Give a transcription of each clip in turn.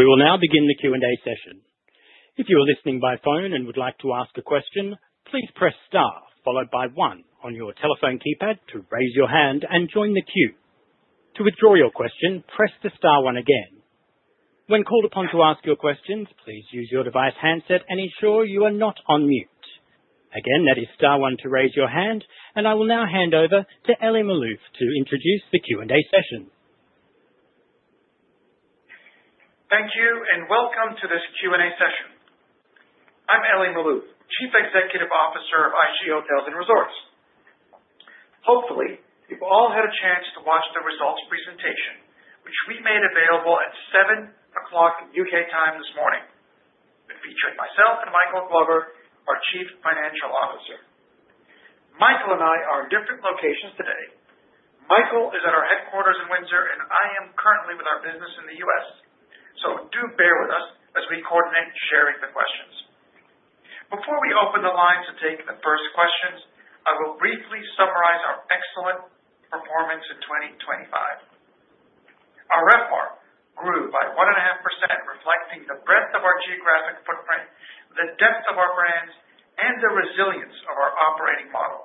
We will now begin the Q&A session. If you are listening by phone and would like to ask a question, please press star followed by one on your telephone keypad to raise your hand and join the queue. To withdraw your question, press the star one again. When called upon to ask your questions, please use your device handset and ensure you are not on mute. Again, that is star one to raise your hand, and I will now hand over to Elie Maalouf to introduce the Q&A session. Thank you, and welcome to this Q&A session. I'm Elie Maalouf, Chief Executive Officer of IHG Hotels & Resorts. Hopefully, you've all had a chance to watch the results presentation, which we made available at seven o'clock U.K. time this morning. It featured myself and Michael Glover, our Chief Financial Officer. Michael and I are in different locations today. Michael is at our headquarters in Windsor, and I am currently with our business in the U.S. So do bear with us as we coordinate sharing the questions. Before we open the line to take the first questions, I will briefly summarize our excellent performance in 2025. Our RevPAR grew by 1.5%, reflecting the breadth of our geographic footprint, the depth of our brands, and the resilience of our operating model.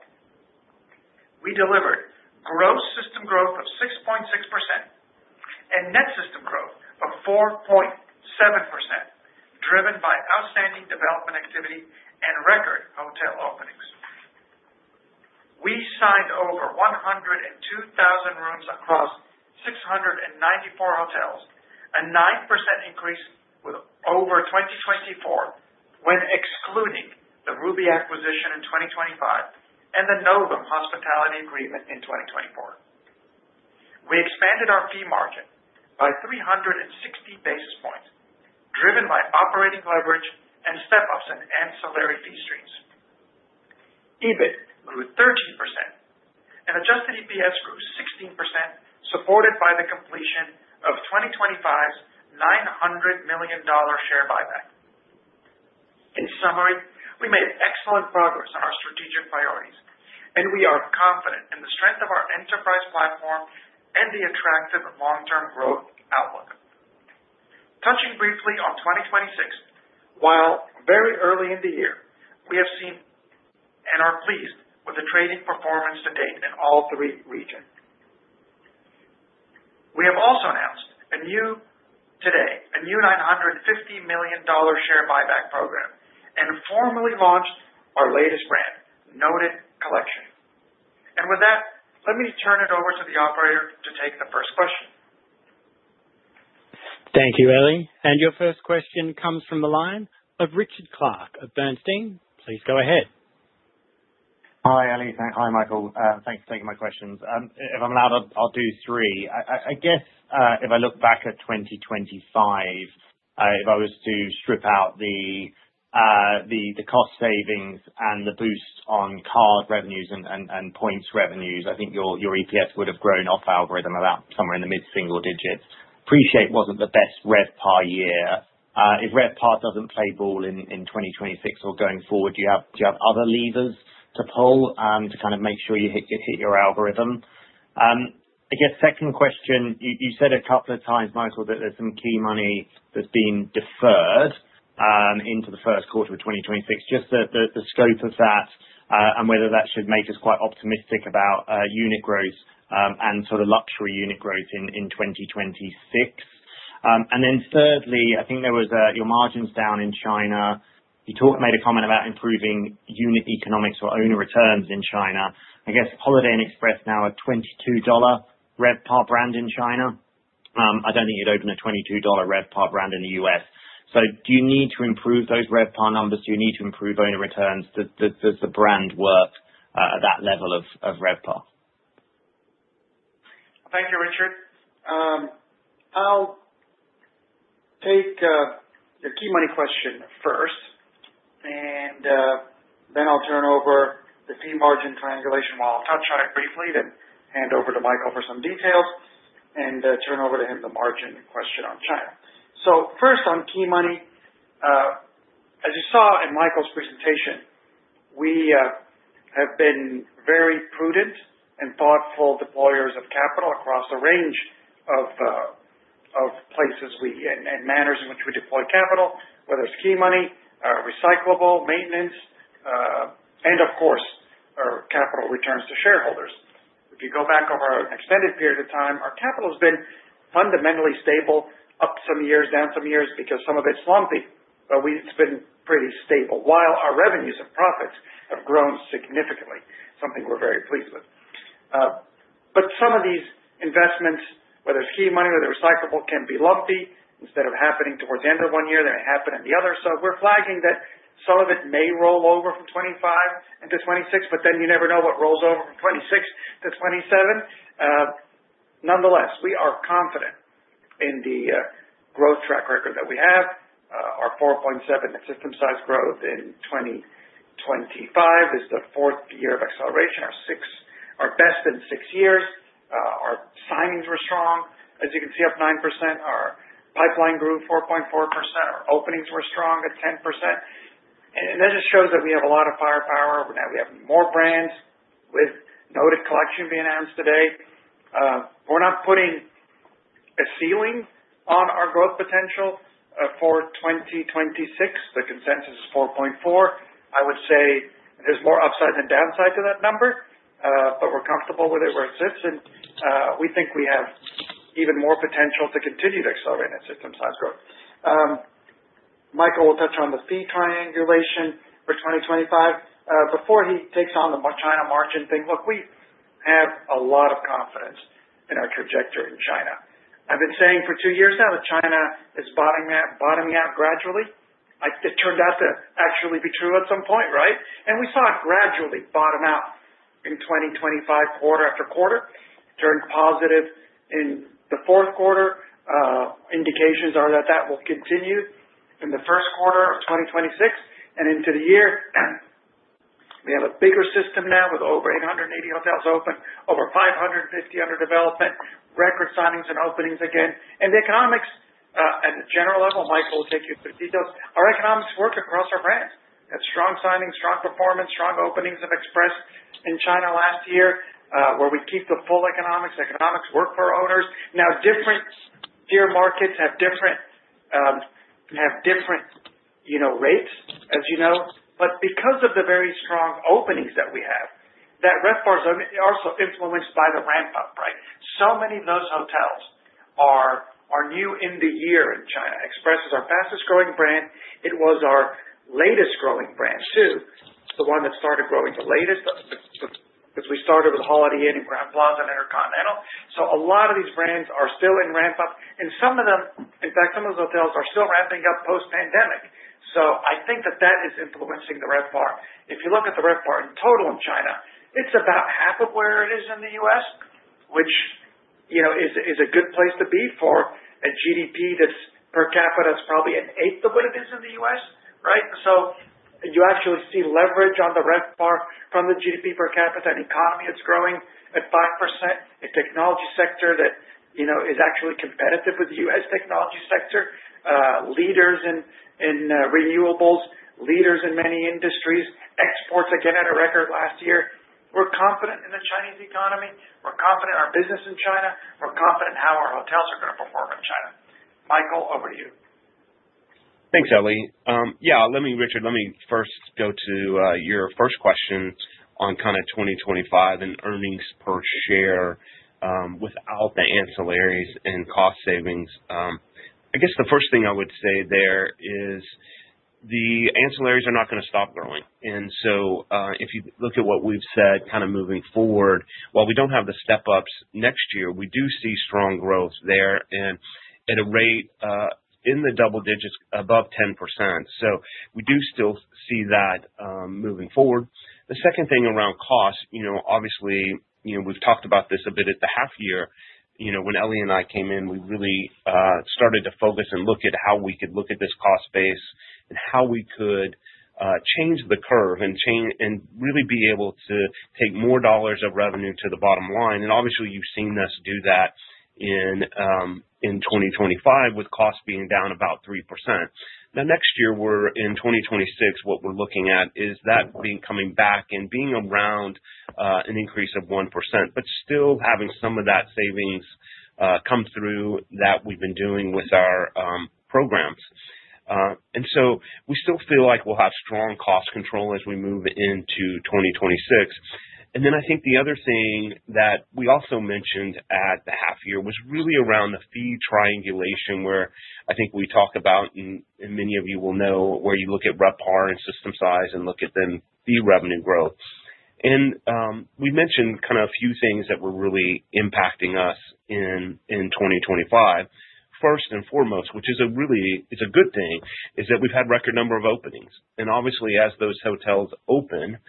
We delivered gross system growth of 6.6% and net system growth of 4.7%, driven by outstanding development activity and record hotel openings. We signed over 102,000 rooms across 694 hotels, a 9% increase with over 2024, when excluding the Ruby acquisition in 2025 and the Novum Hospitality agreement in 2024. We expanded our fee margin by 360 basis points, driven by operating leverage and step ups in ancillary fee streams. EBIT grew 13% and adjusted EPS grew 16%, supported by the completion of 2025's $900 million share buyback. In summary, we made excellent progress on our strategic priorities, and we are confident in the strength of our enterprise platform and the attractive long-term growth outlook. Touching briefly on 2026, while very early in the year, we have seen and are pleased with the trading performance to date in all three regions. We have also announced today a new $950 million share buyback program and formally launched our latest brand, Noted Collection. With that, let me turn it over to the operator to take the first question. Thank you, Elie. Your first question comes from the line of Richard Clarke of Bernstein. Please go ahead. Hi, Elie. Hi, Michael. Thanks for taking my questions. If I'm allowed, I'll do three. I guess if I look back at 2025, if I was to strip out the cost savings and the boosts on card revenues and points revenues, I think your EPS would have grown off algorithm about somewhere in the mid-single digits. Appreciate it wasn't the best RevPAR year. If RevPAR doesn't play ball in 2026 or going forward, do you have other levers to pull to kind of make sure you hit your algorithm? I guess second question, you said a couple of times, Michael, that there's some key money that's been deferred into the Q1 of 2026. Just the scope of that and whether that should make us quite optimistic about unit growth and sort of luxury unit growth in 2026. And then thirdly, I think there was your margins down in China. You talked... made a comment about improving unit economics or owner returns in China. I guess Holiday Inn Express is now a $22 RevPAR brand in China. I don't think you'd open a $22 RevPAR brand in the US. So do you need to improve those RevPAR numbers? Do you need to improve owner returns? Does the brand work at that level of RevPAR? Thank you, Richard. I'll take the key money question first, and then I'll turn over the fee margin triangulation, where I'll touch on it briefly, then hand over to Michael for some details and turn over to him the margin question on China. So first on key money. As you saw in Michael's presentation, we have been very prudent and thoughtful deployers of capital across a range of places and manners in which we deploy capital, whether it's key money, recyclable maintenance, and of course, our capital returns to shareholders. If you go back over an extended period of time, our capital has been fundamentally stable, up some years, down some years, because some of it's lumpy, but it's been pretty stable, while our revenues and profits have grown significantly, something we're very pleased with. But some of these investments, whether it's key money or they're recyclable, can be lumpy. Instead of happening towards the end of one year, they happen in the other. So we're flagging that some of it may roll over from 25 into 26, but then you never know what rolls over from 26 to 27. Nonetheless, we are confident in the growth track record that we have. Our 4.7 system size growth in 2025 is the fourth year of acceleration, our 6, our best in 6 years. Our signings were strong, as you can see, up 9%. Our pipeline grew 4.4%. Our openings were strong at 10%... and that just shows that we have a lot of firepower. Now we have more brands with Noted Collection being announced today. We're not putting a ceiling on our growth potential for 2026, the consensus is 4.4. I would say there's more upside than downside to that number, but we're comfortable with it where it sits, and we think we have even more potential to continue to accelerate that system size growth. Michael will touch on the fee triangulation for 2025. Before he takes on the China margin thing, look, we have a lot of confidence in our trajectory in China. I've been saying for 2 years now that China is bottoming out, bottoming out gradually. It turned out to actually be true at some point, right? And we saw it gradually bottom out in 2025, quarter after quarter. Turned positive in the Q4. Indications are that that will continue in the Q1 of 2026 and into the year. We have a bigger system now with over 880 hotels open, over 550 under development, record signings and openings again. The economics, at a general level, Michael will take you through the details. Our economics work across our brands. We have strong signings, strong performance, strong openings of Express in China last year, where we keep the full economics. Economics work for our owners. Now, different tier markets have different, have different, you know, rates, as you know. But because of the very strong openings that we have, that RevPAR is also influenced by the ramp up, right? So many of those hotels are new in the year in China. Express is our fastest growing brand. It was our latest growing brand, too, the one that started growing the latest, because we started with Holiday Inn and Crowne Plaza and InterContinental. So a lot of these brands are still in ramp up, and some of them, in fact, some of those hotels are still ramping up post-pandemic. So I think that that is influencing the RevPAR. If you look at the RevPAR in total in China, it's about half of where it is in the U.S., which, you know, is, is a good place to be for a GDP that's per capita, it's probably an eighth of what it is in the U.S., right? So you actually see leverage on the RevPAR from the GDP per capita. An economy that's growing at 5%, a technology sector that, you know, is actually competitive with the U.S. technology sector, leaders in renewables, leaders in many industries. Exports again at a record last year. We're confident in the Chinese economy. We're confident in our business in China. We're confident in how our hotels are going to perform in China. Michael, over to you. Thanks, Elie. Yeah, let me, Richard, let me first go to your first question on kind of 2025 and earnings per share, without the ancillaries and cost savings. I guess the first thing I would say there is the ancillaries are not going to stop growing. And so, if you look at what we've said, kind of moving forward, while we don't have the step ups next year, we do see strong growth there and at a rate in the double digits above 10%. So we do still see that moving forward. The second thing around cost, you know, obviously, you know, we've talked about this a bit at the half year. You know, when Elie and I came in, we really started to focus and look at how we could look at this cost base and how we could change the curve and really be able to take more dollars of revenue to the bottom line. And obviously, you've seen us do that in 2025, with costs being down about 3%. Now, next year, we're in 2026, what we're looking at is that being coming back and being around an increase of 1%, but still having some of that savings come through that we've been doing with our programs. And so we still feel like we'll have strong cost control as we move into 2026. And then I think the other thing that we also mentioned at the half year was really around the fee triangulation, where I think we talk about, and many of you will know, where you look at RevPAR and system size and look at then fee revenue growth. And, we mentioned kind of a few things that were really impacting us in 2025. First and foremost, which is a really, it's a good thing, is that we've had record number of openings, and obviously as those hotels open,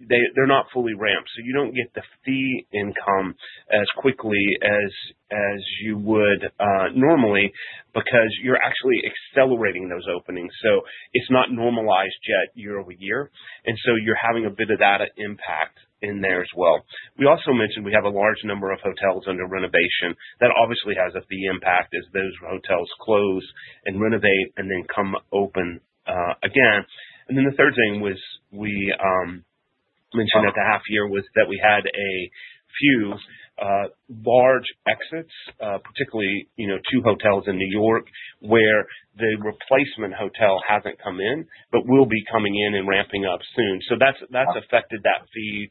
they're not fully ramped, so you don't get the fee income as quickly as you would normally, because you're actually accelerating those openings. So it's not normalized yet year-over-year, and so you're having a bit of that impact in there as well. We also mentioned we have a large number of hotels under renovation. That obviously has a fee impact as those hotels close and renovate and then come open again. Then the third thing was we mentioned at the half year was that we had a few large exits, particularly, you know, two hotels in New York, where the replacement hotel hasn't come in, but will be coming in and ramping up soon. So that's, that's affected that fee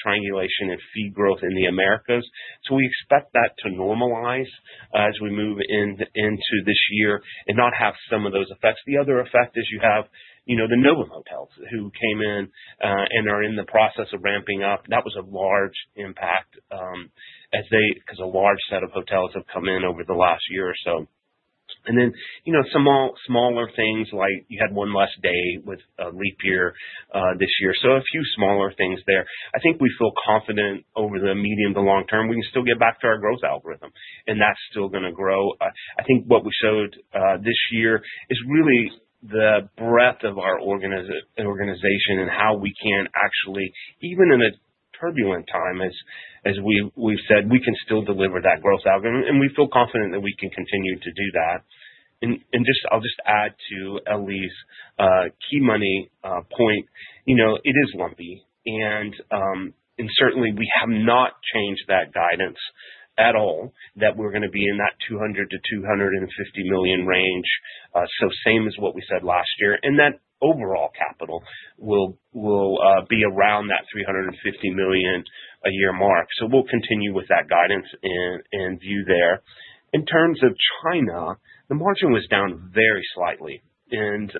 triangulation and fee growth in the Americas. So we expect that to normalize as we move into this year and not have some of those effects. The other effect is you have, you know, the Novum hotels who came in and are in the process of ramping up. That was a large impact, as because a large set of hotels have come in over the last year or so. And then, you know, some smaller things, like you had one less day with leap year this year. So a few smaller things there. I think we feel confident over the medium to long term, we can still get back to our growth algorithm, and that's still going to grow. I think what we showed this year is really the breadth of our organization and how we can actually, even in a turbulent time, as we've said, we can still deliver that growth algorithm, and we feel confident that we can continue to do that. I'll just add to Elie's key money point. You know, it is lumpy, and certainly we have not changed that guidance at all, that we're gonna be in that $200 million-$250 million range. So same as what we said last year, and that overall capital will be around that $350 million a year mark. So we'll continue with that guidance and view there. In terms of China, the margin was down very slightly and,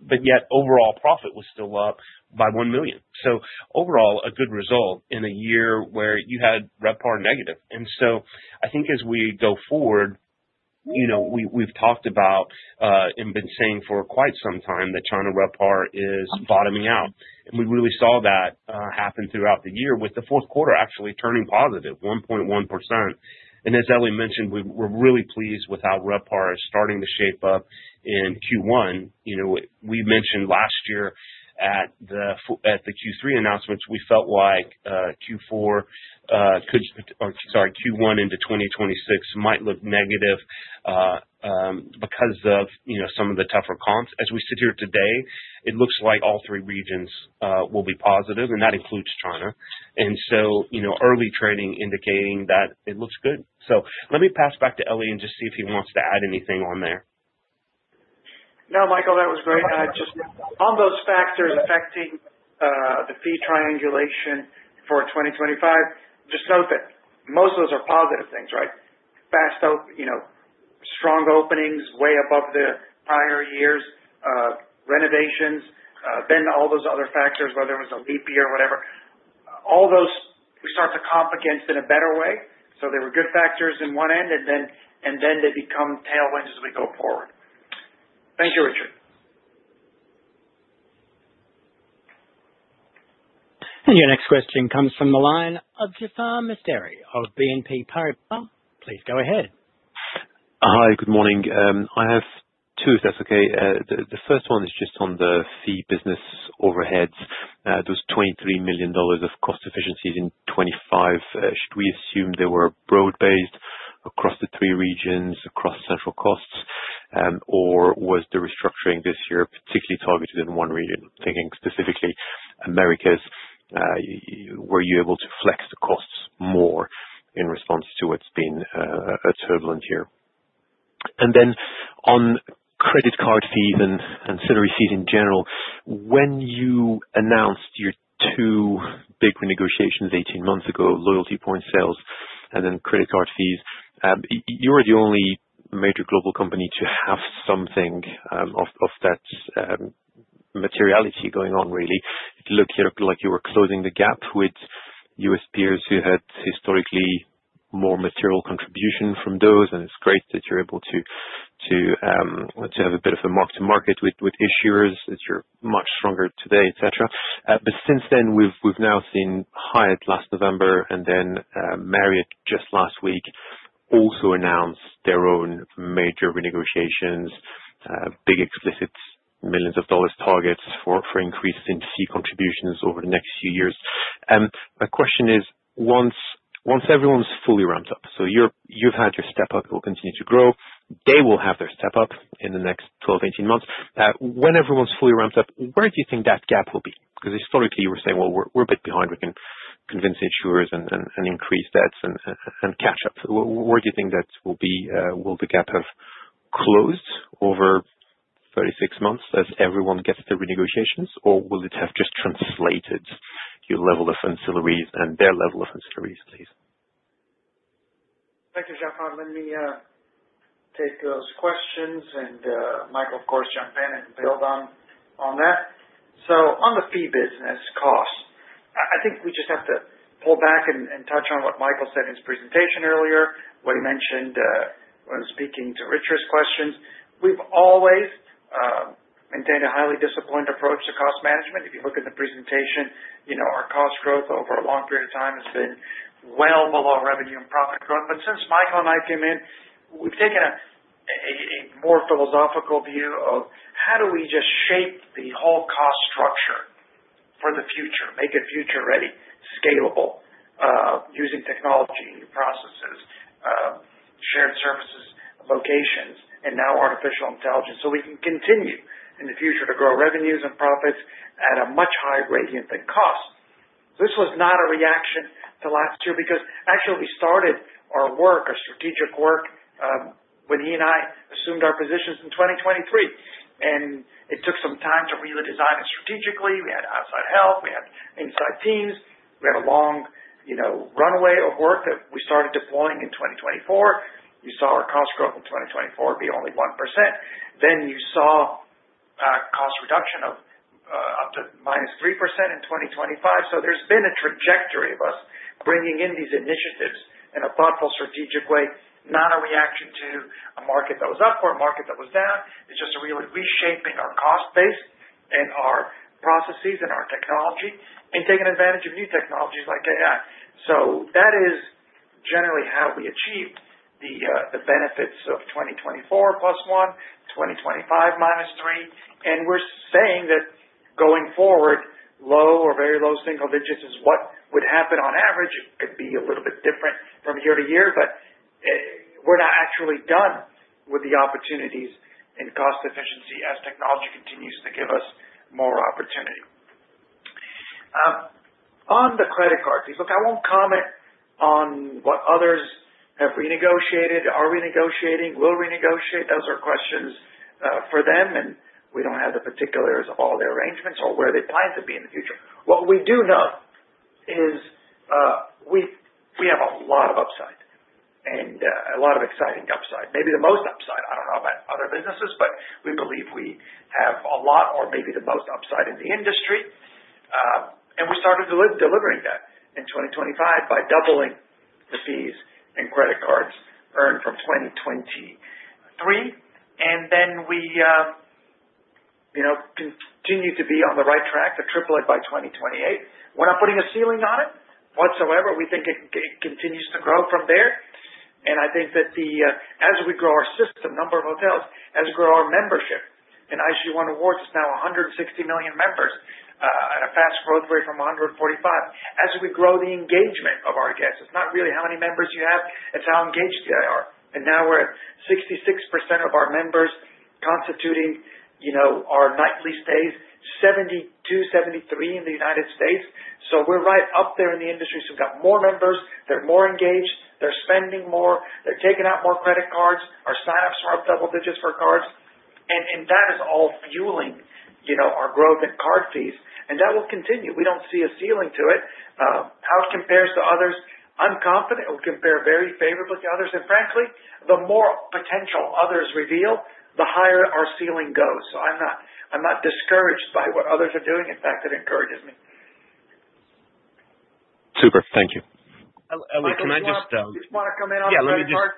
but yet overall profit was still up by $1 million. So overall, a good result in a year where you had RevPAR negative. I think as we go forward, you know, we've talked about and been saying for quite some time that China RevPAR is bottoming out, and we really saw that happen throughout the year, with the Q4 actually turning positive, 1.1%. As Elie mentioned, we're really pleased with how RevPAR is starting to shape up in Q1. You know, we mentioned last year at the Q3 announcements, we felt like Q4 could, or sorry, Q1 into 2026 might look negative because of, you know, some of the tougher comps. As we sit here today, it looks like all three regions will be positive, and that includes China. So, you know, early trading indicating that it looks good. Let me pass back to Elie and just see if he wants to add anything on there. No, Michael, that was great. Just on those factors affecting the fee triangulation for 2025, just note that most of those are positive things, right? Fast open, you know, strong openings, way above the prior years, renovations, then all those other factors, whether it was a leap year or whatever, all those we start to comp against in a better way. So there were good factors in one end, and then, and then they become tailwinds as we go forward. Thank you, Richard. Your next question comes from the line of Jaafar Mestari of BNP Paribas. Please go ahead. Hi, good morning. I have two, if that's okay. The first one is just on the fee business overheads. Those $23 million of cost efficiencies in 2025, should we assume they were broad-based across the three regions, across central costs, or was the restructuring this year particularly targeted in one region? Thinking specifically Americas. Were you able to flex the costs more in response to what's been a turbulent year? And then on credit card fees and ancillary fees in general, when you announced your two big renegotiations 18 months ago, loyalty point sales and then credit card fees, you were the only major global company to have something of that materiality going on really. It looked like you were closing the gap with US peers who had historically more material contribution from those, and it's great that you're able to have a bit of a mark to market with issuers, that you're much stronger today, et cetera. But since then, we've now seen Hyatt last November, and then Marriott just last week, also announce their own major renegotiations, big explicit millions of dollars targets for increases in fee contributions over the next few years. My question is, once everyone's fully ramped up, so you've had your step-up, it will continue to grow. They will have their step up in the next 12, 18 months. When everyone's fully ramped up, where do you think that gap will be? Because historically, you were saying, "Well, we're a bit behind. We can convince insurers and increase debts and catch up. Where do you think that will be? Will the gap have closed over 36 months as everyone gets their renegotiations, or will it have just translated your level of ancillaries and their level of ancillaries, please? Thank you, Jaafar. Let me take those questions and, Michael, of course, jump in and build on, on that. So on the fee business costs, I, I think we just have to pull back and, and touch on what Michael said in his presentation earlier, what he mentioned when speaking to Richard's questions. We've always maintained a highly disciplined approach to cost management. If you look in the presentation, you know, our cost growth over a long period of time has been well below revenue and profit growth. But since Michael and I came in, we've taken a more philosophical view of how do we just shape the whole cost structure for the future, make it future-ready, scalable, using technology, processes, shared services, locations, and now artificial intelligence, so we can continue in the future to grow revenues and profits at a much higher gradient than cost. This was not a reaction to last year, because actually we started our work, our strategic work, when he and I assumed our positions in 2023, and it took some time to redesign it strategically. We had outside help, we had inside teams. We had a long, you know, runway of work that we started deploying in 2024. We saw our cost growth in 2024 be only 1%. Then you saw cost reduction of up to -3% in 2025. So there's been a trajectory of us bringing in these initiatives in a thoughtful, strategic way, not a reaction to a market that was up or a market that was down. It's just really reshaping our cost base and our processes and our technology and taking advantage of new technologies like AI. So that is generally how we achieved the benefits of 2024 +1, 2025 -3. And we're saying that going forward, low or very low single digits is what would happen on average. It could be a little bit different from year to year, but we're not actually done with the opportunities in cost efficiency as technology continues to give us more opportunity. On the credit card fees, look, I won't comment on what others have renegotiated, are renegotiating, will renegotiate. Those are questions for them, and we don't have the particulars of all their arrangements or where they plan to be in the future. What we do know is, we have a lot of upside and a lot of exciting upside, maybe the most upside. I don't know about other businesses, but we believe we have a lot or maybe the most upside in the industry. And we started delivering that in 2025 by doubling the fees and credit cards earned from 2023. And then we, you know, continue to be on the right track to triple it by 2028. We're not putting a ceiling on it whatsoever. We think it continues to grow from there. And I think that the, as we grow our system, number of hotels, as we grow our membership, and IHG One Rewards is now 160 million members, at a fast growth rate from 145. As we grow the engagement of our guests, it's not really how many members you have, it's how engaged they are. And now we're at 66% of our members constituting, you know, our nightly stays, 72%-73% in the United States. So we're right up there in the industry. So we've got more members, they're more engaged, they're spending more, they're taking out more credit cards. Our sign-ups are up double digits for cards, and, and that is all fueling, you know, our growth in card fees, and that will continue. We don't see a ceiling to it. How it compares to others, I'm confident it will compare very favorably to others. And frankly, the more potential others reveal, the higher our ceiling goes. So I'm not, I'm not discouraged by what others are doing. In fact, it encourages me. Super. Thank you. Elie, can I just, You want to come in on the credit card?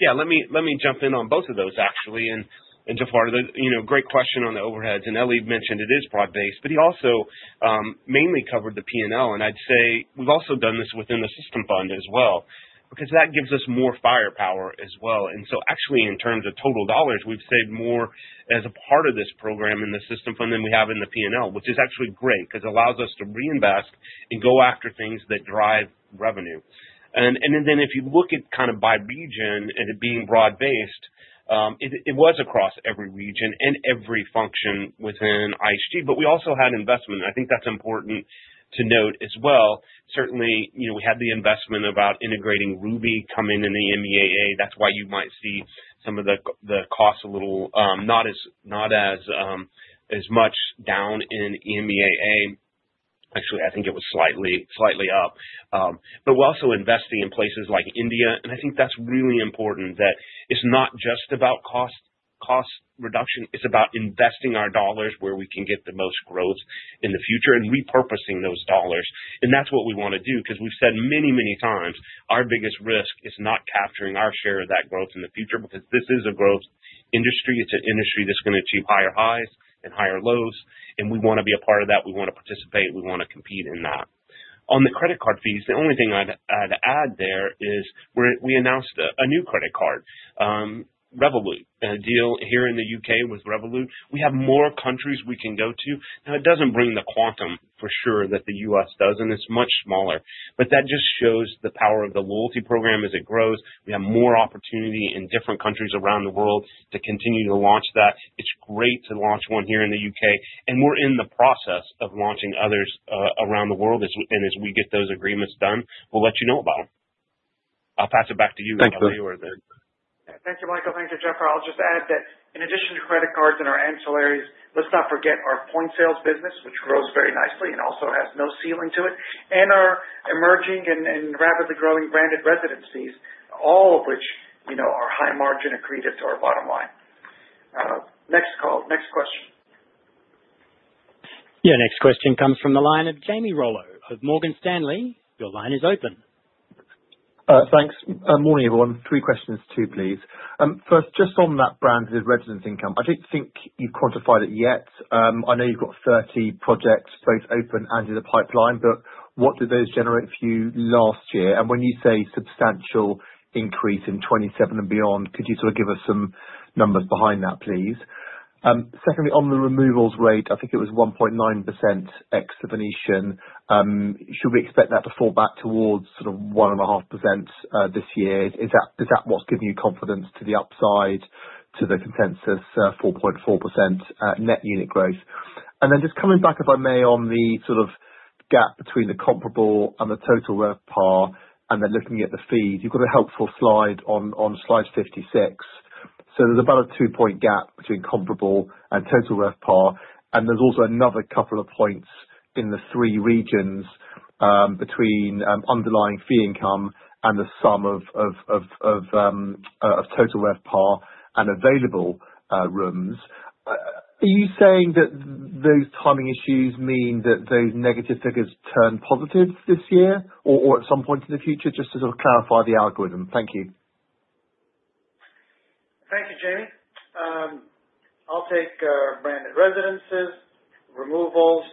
Yeah, let me just... Yeah, let me, let me jump in on both of those, actually. And, and Jaafar, the, you know, great question on the overheads, and Elie mentioned it is broad-based, but he also mainly covered the P&L. And I'd say we've also done this within the System Fund as well, because that gives us more firepower as well. And so actually in terms of total dollars, we've saved more as a part of this program in the System Fund than we have in the P&L, which is actually great because it allows us to reinvest and go after things that drive revenue. And, and then if you look at kind of by region and it being broad-based, it was across every region and every function within IHG, but we also had investment. I think that's important to note as well. Certainly, you know, we had the investment about integrating Ruby coming in the EMEAA. That's why you might see some of the cost a little not as much down in EMEAA. Actually, I think it was slightly up. But we're also investing in places like India, and I think that's really important, that it's not just about cost reduction, it's about investing our dollars where we can get the most growth in the future and repurposing those dollars. And that's what we want to do, because we've said many, many times our biggest risk is not capturing our share of that growth in the future, because this is a growth industry. It's an industry that's going to achieve higher highs and higher lows, and we want to be a part of that. We want to participate, we want to compete in that. On the credit card fees, the only thing I'd add there is we announced a new credit card, Revolut, a deal here in the U.K. with Revolut. We have more countries we can go to. Now, it doesn't bring the quantum for sure that the U.S. does, and it's much smaller, but that just shows the power of the loyalty program as it grows. We have more opportunity in different countries around the world to continue to launch that. It's great to launch one here in the U.K., and we're in the process of launching others around the world, and as we get those agreements done, we'll let you know about them. I'll pass it back to you, Elie, then. Thank you. Thank you, Michael. Thank you, Jaafar. I'll just add that in addition to credit cards and our ancillaries, let's not forget our point sales business, which grows very nicely and also has no ceiling to it, and our emerging and rapidly growing branded residences, all of which, you know, are high margin accretive to our bottom line. Next call. Next question. Yeah, next question comes from the line of Jamie Rollo of Morgan Stanley. Your line is open. Thanks. Morning, everyone. Three questions too, please. First, just on that branded residence income, I don't think you've quantified it yet. I know you've got 30 projects, both open and in the pipeline, but what did those generate for you last year? And when you say substantial increase in 2027 and beyond, could you sort of give us some numbers behind that, please? Secondly, on the removals rate, I think it was 1.9% ex-Venetian. Should we expect that to fall back towards sort of 1.5% this year? Is that, is that what's giving you confidence to the upside, to the consensus 4.4% net unit growth? And then just coming back, if I may, on the sort of gap between the comparable and the total RevPAR, and then looking at the fees. You've got a helpful slide on slide 56. So there's about a two-point gap between comparable and total RevPAR, and there's also another couple of points in the three regions, between underlying fee income and the sum of total RevPAR and available rooms. Are you saying that those timing issues mean that those negative figures turn positive this year or at some point in the future? Just to sort of clarify the algorithm. Thank you. ... I'll take branded residences, removals,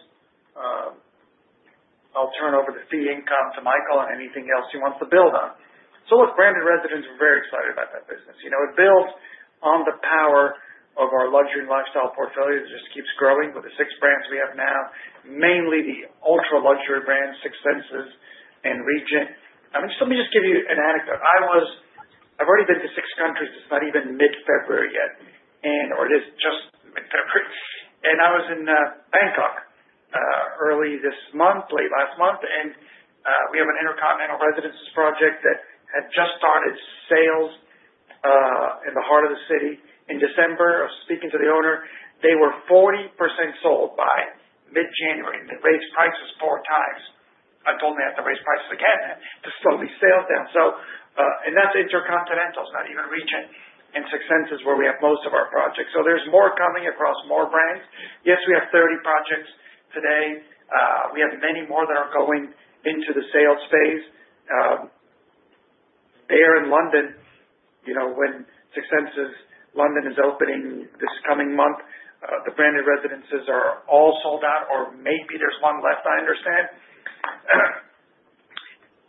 I'll turn over the fee income to Michael and anything else he wants to build on. So look, branded residences, we're very excited about that business. You know, it builds on the power of our luxury and lifestyle portfolio. It just keeps growing with the six brands we have now, mainly the ultra-luxury brands, Six Senses and Regent. I mean, just let me give you an anecdote. I was. I've already been to six countries, it's not even mid-February yet, and/or it is just mid-February, and I was in Bangkok early this month, late last month, and we have an InterContinental Residences project that had just started sales in the heart of the city. In December, I was speaking to the owner, they were 40% sold by mid-January, and they raised prices four times. I told them they have to raise prices again to slow these sales down. So, and that's InterContinental, it's not even Regent and Six Senses, where we have most of our projects. So there's more coming across more brands. Yes, we have 30 projects today. We have many more that are going into the sales phase. There in London, you know, when Six Senses London is opening this coming month, the branded residences are all sold out, or maybe there's one left, I understand.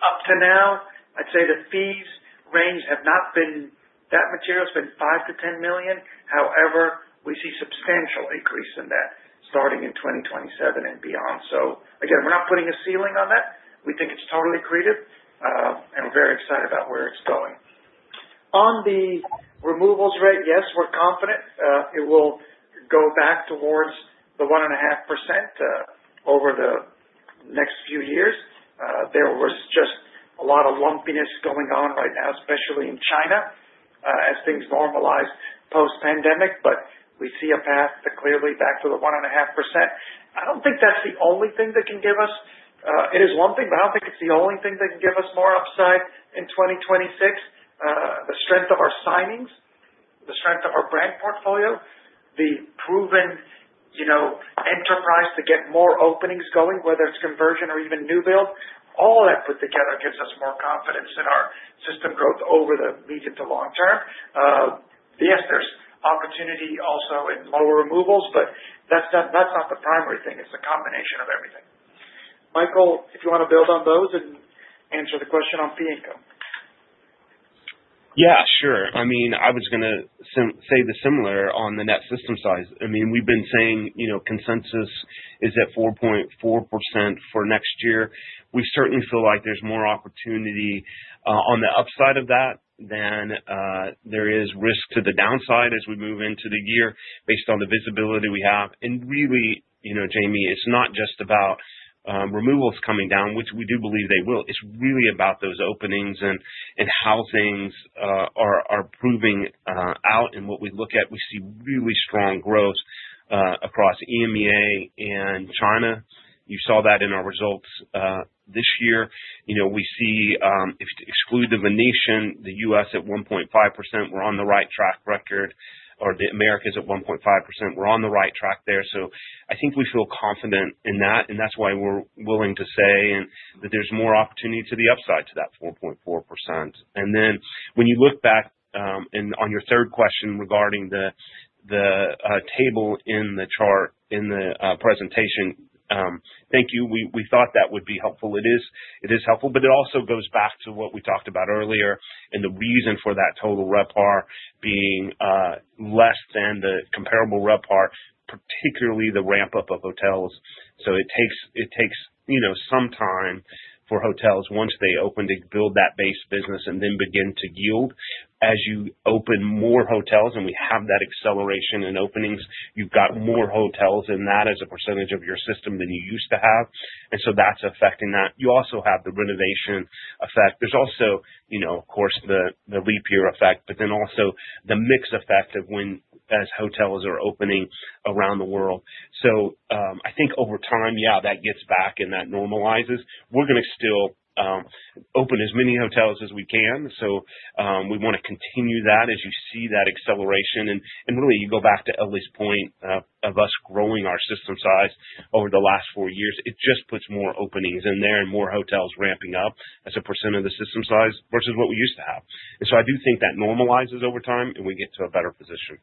Up to now, I'd say the fees range have not been that material. It's been $5 million-$10 million. However, we see substantial increase in that starting in 2027 and beyond. So again, we're not putting a ceiling on that. We think it's totally accretive, and we're very excited about where it's going. On the removals rate, yes, we're confident, it will go back towards the 1.5%, over the next few years. There was just a lot of lumpiness going on right now, especially in China, as things normalize post-pandemic, but we see a path to clearly back to the 1.5%. I don't think that's the only thing that can give us... It is one thing, but I don't think it's the only thing that can give us more upside in 2026. The strength of our signings, the strength of our brand portfolio, the proven, you know, enterprise to get more openings going, whether it's conversion or even new build, all of that put together gives us more confidence in our system growth over the medium to long term. Yes, there's opportunity also in lower removals, but that's not, that's not the primary thing. It's a combination of everything. Michael, if you want to build on those and answer the question on fee income. Yeah, sure. I mean, I was gonna say the similar on the net system size. I mean, we've been saying, you know, consensus is at 4.4% for next year. We certainly feel like there's more opportunity on the upside of that than there is risk to the downside as we move into the year, based on the visibility we have. And really, you know, Jamie, it's not just about removals coming down, which we do believe they will. It's really about those openings and how things are proving out. And what we look at, we see really strong growth across EMEA and China. You saw that in our results this year. You know, we see, excluding the Venetian, the U.S. at 1.5%, we're on the right track record, or the Americas at 1.5%, we're on the right track there. So I think we feel confident in that, and that's why we're willing to say that there's more opportunity to the upside to that 4.4%. And then when you look back, and on your third question regarding the table in the chart in the presentation, thank you. We thought that would be helpful. It is, it is helpful, but it also goes back to what we talked about earlier and the reason for that total RevPAR being less than the comparable RevPAR, particularly the ramp-up of hotels. So it takes, you know, some time for hotels once they open to build that base business and then begin to yield. As you open more hotels, and we have that acceleration in openings, you've got more hotels in that as a percentage of your system than you used to have, and so that's affecting that. You also have the renovation effect. There's also, you know, of course, the leap year effect, but then also the mix effect of when as hotels are opening around the world. So, I think over time, yeah, that gets back and that normalizes. We're gonna still open as many hotels as we can. So, we want to continue that as you see that acceleration. And really, you go back to Elie's point of us growing our system size over the last four years. It just puts more openings in there and more hotels ramping up as a percent of the system size versus what we used to have. And so I do think that normalizes over time, and we get to a better position.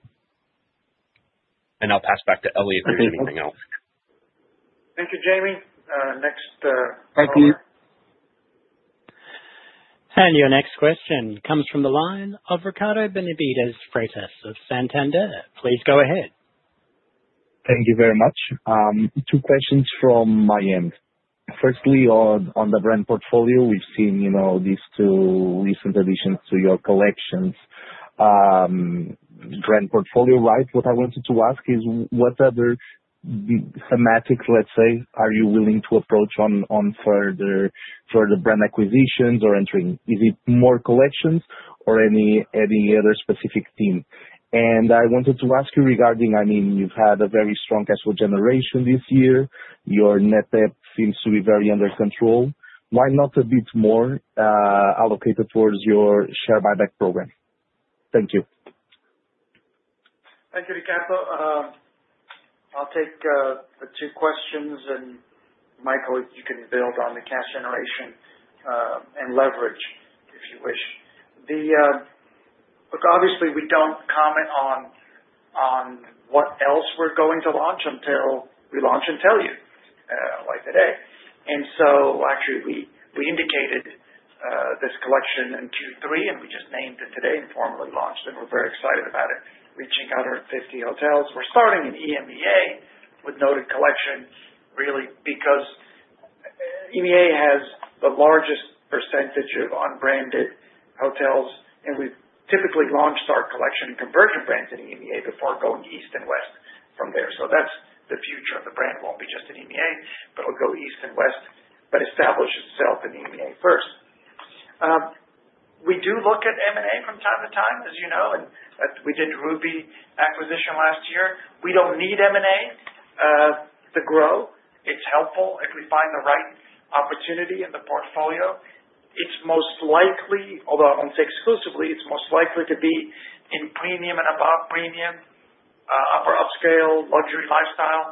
And I'll pass back to Elie if there's anything else. Thank you, Jamie. Next, operator. Your next question comes from the line of Ricardo Benavides Freitas of Santander. Please go ahead. Thank you very much. Two questions from my end. Firstly, on the brand portfolio, we've seen, you know, these two recent additions to your collections, brand portfolio, right? What I wanted to ask is, what other thematics, let's say, are you willing to approach on further brand acquisitions or entering? Is it more collections or any other specific theme? And I wanted to ask you regarding, I mean, you've had a very strong cash flow generation this year. Your net debt seems to be very under control. Why not a bit more allocated towards your share buyback program? Thank you. Thank you, Ricardo, I'll take the two questions, and Michael, if you can build on the cash generation and leverage, if you wish. The look, obviously, we don't comment on what else we're going to launch until we launch and tell you like today. And so actually, we indicated this collection in Q3, and we just named it today and formally launched it. We're very excited about it, reaching 150 hotels. We're starting in EMEA with Noted Collection, really, because EMEA has the largest percentage of unbranded hotels, and we've typically launched our collection and conversion brands in EMEA before going east and west from there. So that's the future of the brand, won't be just in EMEA, but it'll go east and west, but establish itself in EMEA first. We do look at M&A from time to time, as you know, and we did Ruby acquisition last year. We don't need M&A to grow. It's helpful if we find the right opportunity in the portfolio. It's most likely, although I won't say exclusively, it's most likely to be in premium and above premium, upper upscale, luxury lifestyle.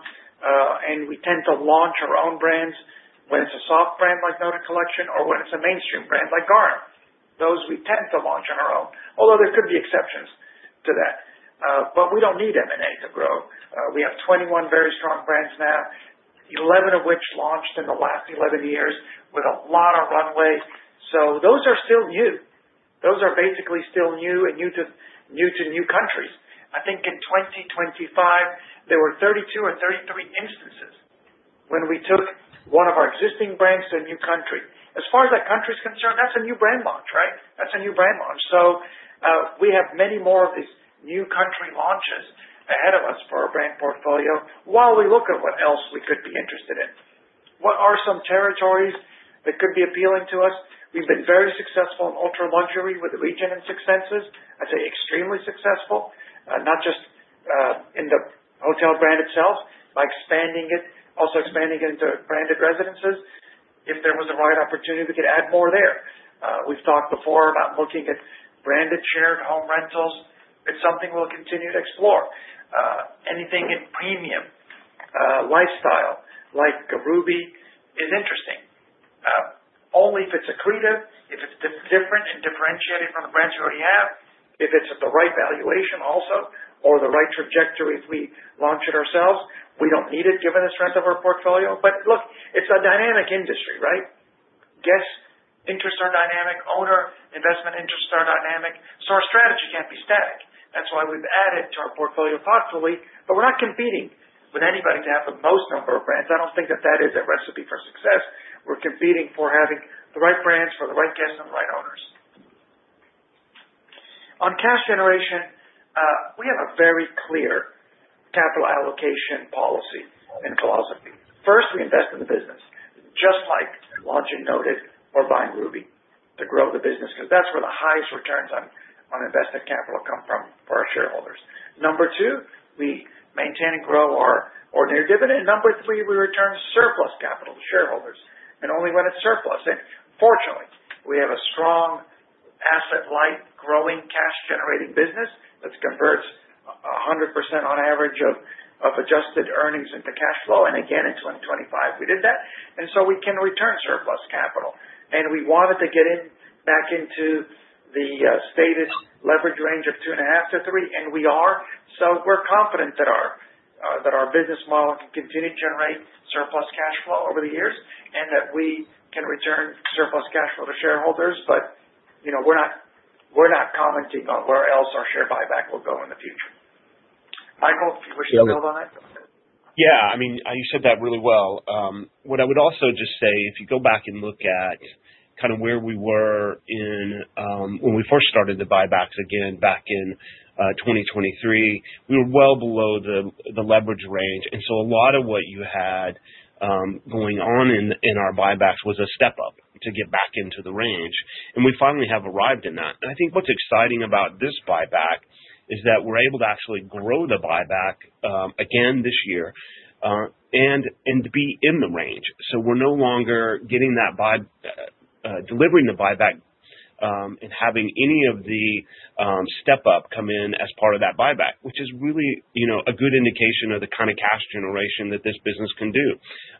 And we tend to launch our own brands when it's a soft brand, like Noted Collection, or when it's a mainstream brand like Garner. Those we tend to launch on our own, although there could be exceptions to that. But we don't need M&A to grow. We have 21 very strong brands now, 11 of which launched in the last 11 years with a lot of runway. So those are still new. Those are basically still new and new to, new to new countries. I think in 2025, there were 32 or 33 instances when we took one of our existing brands to a new country. As far as that country's concerned, that's a new brand launch, right? That's a new brand launch. So, we have many more of these new country launches ahead of us for our brand portfolio while we look at what else we could be interested in. What are some territories that could be appealing to us? We've been very successful in ultra-luxury with the Regent and Six Senses. I'd say extremely successful, not just in the hotel brand itself, by expanding it, also expanding it into branded residences. If there was the right opportunity, we could add more there. We've talked before about looking at branded shared home rentals. It's something we'll continue to explore. Anything in premium lifestyle like Ruby is interesting. Only if it's accretive, if it's different and differentiated from the brands we already have, if it's at the right valuation also, or the right trajectory, if we launch it ourselves, we don't need it, given the strength of our portfolio. But look, it's a dynamic industry, right? Guest interests are dynamic, owner investment interests are dynamic, so our strategy can't be static. That's why we've added to our portfolio thoughtfully, but we're not competing with anybody to have the most number of brands. I don't think that that is a recipe for success. We're competing for having the right brands for the right guests and the right owners. On cash generation, we have a very clear capital allocation policy and philosophy. First, we invest in the business, just like launching Noted or buying Ruby, to grow the business, because that's where the highest returns on, on invested capital come from for our shareholders. Number two, we maintain and grow our ordinary dividend. Number three, we return surplus capital to shareholders, and only when it's surplus. And fortunately, we have a strong asset-light, growing cash-generating business that converts 100% on average of, of adjusted earnings into cash flow. And again, in 2025, we did that, and so we can return surplus capital. And we wanted to get back into the status leverage range of 2.5-3, and we are. So we're confident that our business model can continue to generate surplus cash flow over the years, and that we can return surplus cash flow to shareholders, but, you know, we're not, we're not commenting on where else our share buyback will go in the future. Michael, if you wish to build on it? Yeah. I mean, you said that really well. What I would also just say, if you go back and look at kind of where we were in, when we first started the buybacks again back in 2023, we were well below the leverage range. And so a lot of what you had going on in our buybacks was a step up to get back into the range, and we finally have arrived in that. And I think what's exciting about this buyback is that we're able to actually grow the buyback again this year, and to be in the range. So we're no longer getting that buyback, and having any of the step-up come in as part of that buyback, which is really, you know, a good indication of the kind of cash generation that this business can do.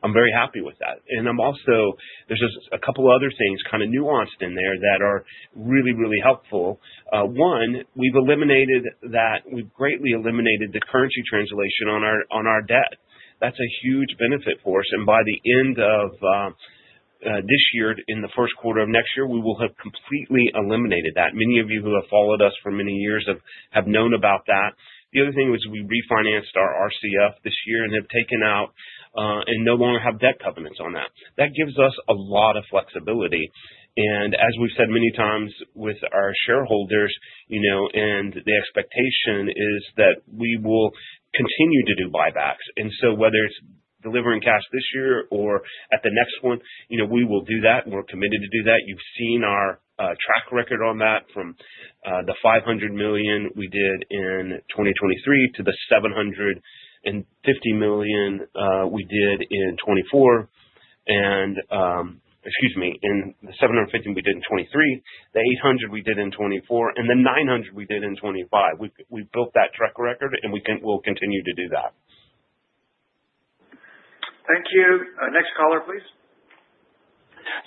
I'm very happy with that. And I'm also— there's just a couple other things kind of nuanced in there that are really, really helpful. One, we've eliminated that. We've greatly eliminated the currency translation on our, on our debt. That's a huge benefit for us, and by the end of this year, in the Q1 of next year, we will have completely eliminated that. Many of you who have followed us for many years have known about that. The other thing was we refinanced our RCF this year and have taken out, and no longer have debt covenants on that. That gives us a lot of flexibility. And as we've said many times with our shareholders, you know, and the expectation is that we will continue to do buybacks. And so whether it's delivering cash this year or at the next one, you know, we will do that, and we're committed to do that. You've seen our, track record on that from, the $500 million we did in 2023 to the $750 million, we did in 2024.... And, excuse me, in the $750 million we did in 2023, the $800 million we did in 2024, and the $900 million we did in 2025. We, we built that track record, and we can- we'll continue to do that. Thank you. Next caller, please.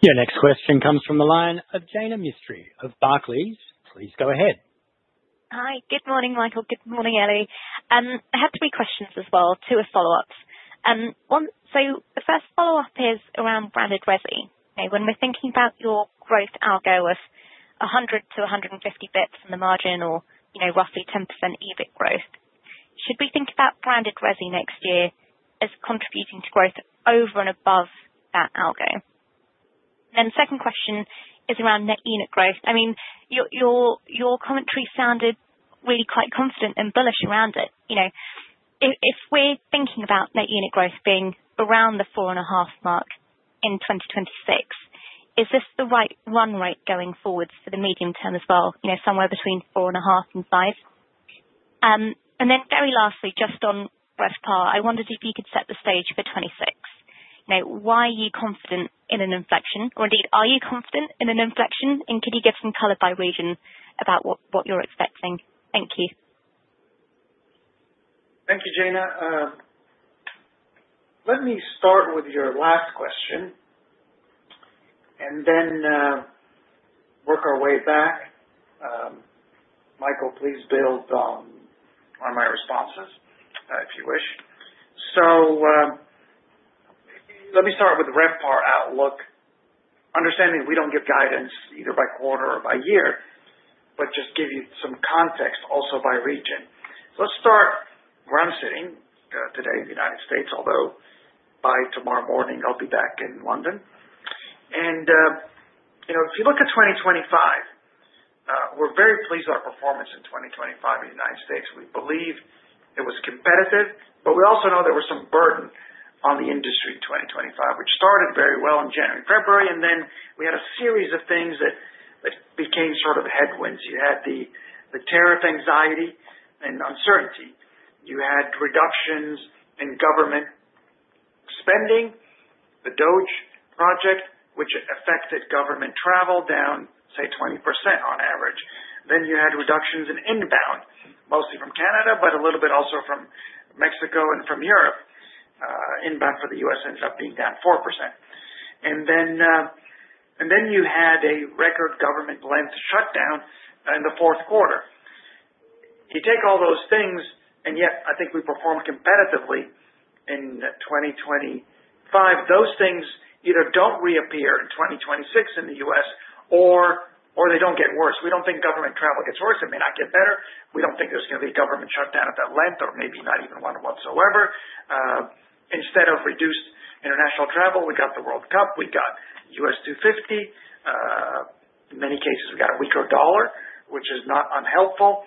Your next question comes from the line of Jaina Mistry of Barclays. Please go ahead. Hi. Good morning, Michael. Good morning, Elie. I have three questions as well, two are follow-ups. So the first follow-up is around branded resi. Okay, when we're thinking about your growth algo of 100-150 bps from the margin or, you know, roughly 10% EBIT growth, should we think about branded resi next year as contributing to growth over and above that algo? Then the second question is around net unit growth. I mean, your commentary sounded really quite confident and bullish around it. You know, if we're thinking about net unit growth being around the 4.5 mark in 2026, is this the right run rate going forward for the medium term as well? You know, somewhere between 4.5 and 5. And then very lastly, just on RevPAR, I wondered if you could set the stage for 2026. You know, why are you confident in an inflection, or indeed, are you confident in an inflection? And can you give some color by region about what you're expecting? Thank you. Thank you, Jaina. Let me start with your last question and then work our way back. Michael, please build on my responses, if you wish. So, let me start with the RevPAR outlook. Understanding we don't give guidance either by quarter or by year, but just give you some context also by region. Let's start where I'm sitting today, the United States, although by tomorrow morning, I'll be back in London. And, you know, if you look at 2025, we're very pleased with our performance in 2025 in the United States. We believe it was competitive, but we also know there was some burden on the industry in 2025, which started very well in January, February, and then we had a series of things that became sort of headwinds. You had the tariff anxiety and uncertainty. You had reductions in government spending, the DOGE project, which affected government travel down, say, 20% on average. Then you had reductions in inbound, mostly from Canada, but a little bit also from Mexico and from Europe. Inbound for the US ended up being down 4%. And then you had a record longest government shutdown in the Q4. You take all those things, and yet I think we performed competitively in 2025. Those things either don't reappear in 2026 in the US or they don't get worse. We don't think government travel gets worse. It may not get better. We don't think there's going to be a government shutdown of that length or maybe not even one whatsoever. Instead of reduced international travel, we got the World Cup, we got US 250. In many cases, we got a weaker dollar, which is not unhelpful,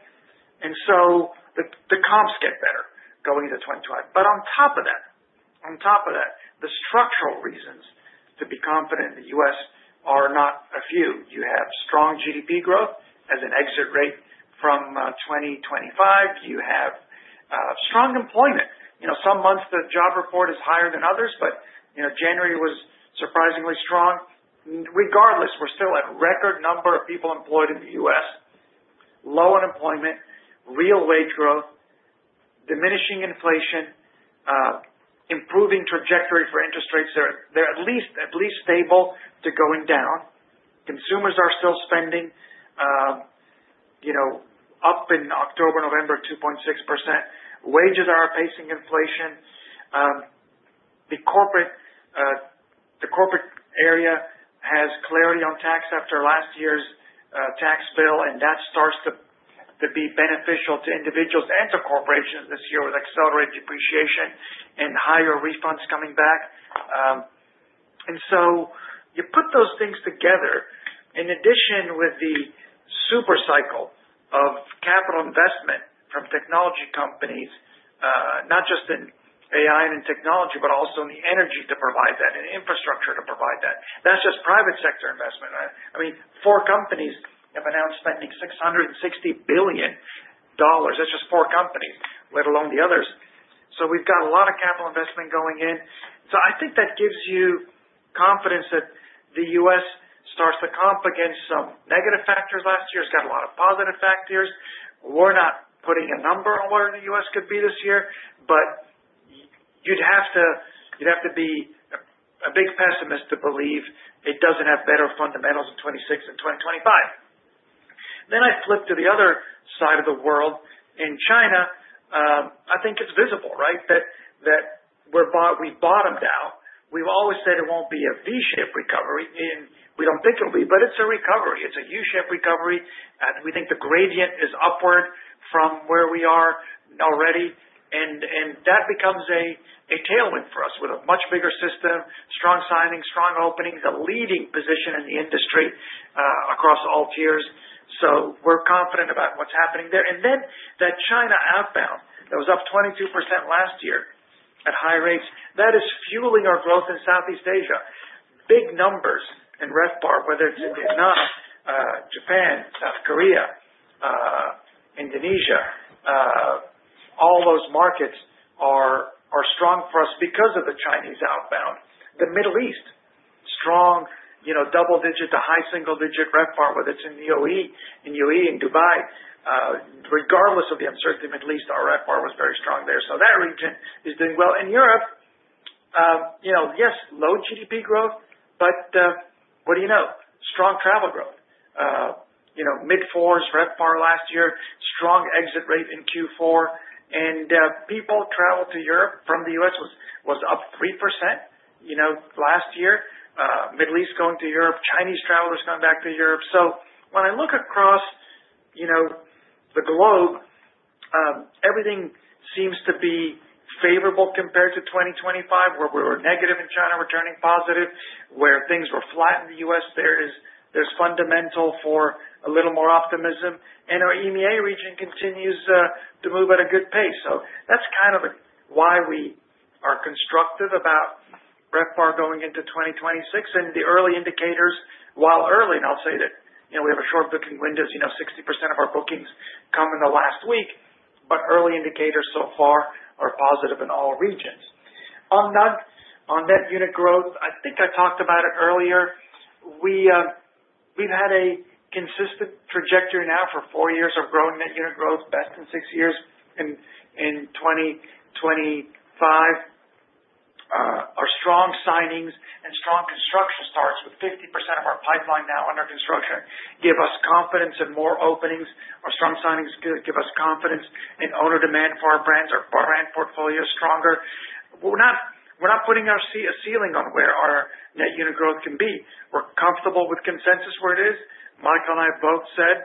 and so the comps get better going into 2025. But on top of that, on top of that, the structural reasons to be confident in the U.S. are not a few. You have strong GDP growth as an exit rate from 2025. You have strong employment. You know, some months the job report is higher than others, but, you know, January was surprisingly strong. Regardless, we're still at a record number of people employed in the U.S., low unemployment, real wage growth, diminishing inflation, improving trajectory for interest rates. They're at least stable to going down. Consumers are still spending, you know, up in October, November, 2.6%. Wages are pacing inflation. The corporate area has clarity on tax after last year's tax bill, and that starts to be beneficial to individuals and to corporations this year with accelerated depreciation and higher refunds coming back. And so you put those things together in addition with the super cycle of capital investment from technology companies, not just in AI and in technology, but also in the energy to provide that and infrastructure to provide that. That's just private sector investment, right? I mean, four companies have announced spending $660 billion. That's just four companies, let alone the others. So we've got a lot of capital investment going in. So I think that gives you confidence that the U.S. starts to comp against some negative factors last year. It's got a lot of positive factors. We're not putting a number on where the U.S. could be this year, but you'd have to, you'd have to be a big pessimist to believe it doesn't have better fundamentals in 2026 than 2025. Then I flip to the other side of the world. In China, I think it's visible, right? That, that we've bottomed out. We've always said it won't be a V-shaped recovery, and we don't think it'll be, but it's a recovery. It's a U-shaped recovery, and we think the gradient is upward from where we are already, and that becomes a tailwind for us with a much bigger system, strong signings, strong openings, a leading position in the industry, across all tiers. So we're confident about what's happening there. That China outbound, that was up 22% last year at high rates, that is fueling our growth in Southeast Asia. Big numbers in RevPAR, whether it's Indonesia, Japan, South Korea. All those markets are strong for us because of the Chinese outbound. The Middle East, strong, you know, double-digit to high single-digit RevPAR, whether it's in the UAE, in Dubai. Regardless of the uncertainty in the Middle East, our RevPAR was very strong there, so that region is doing well. In Europe, you know, yes, low GDP growth, but, what do you know? Strong travel growth. You know, mid-fours RevPAR last year, strong exit rate in Q4, and, people traveled to Europe from the US was up 3%, you know, last year. Middle East going to Europe, Chinese travelers coming back to Europe. So when I look across, you know, the globe, everything seems to be favorable compared to 2025, where we were negative in China, we're turning positive, where things were flat in the U.S., there's fundamental for a little more optimism, and our EMEA region continues to move at a good pace. So that's kind of why we are constructive about RevPAR going into 2026. And the early indicators, while early, and I'll say that, you know, we have a short booking windows, you know, 60% of our bookings come in the last week, but early indicators so far are positive in all regions. On NUG, on net unit growth, I think I talked about it earlier. We've had a consistent trajectory now for four years of growing net unit growth, best in six years in 2025. Our strong signings and strong construction starts, with 50% of our pipeline now under construction, give us confidence in more openings. Our strong signings give us confidence in owner demand for our brands. Our brand portfolio is stronger. We're not putting a ceiling on where our net unit growth can be. We're comfortable with consensus where it is. Michael and I have both said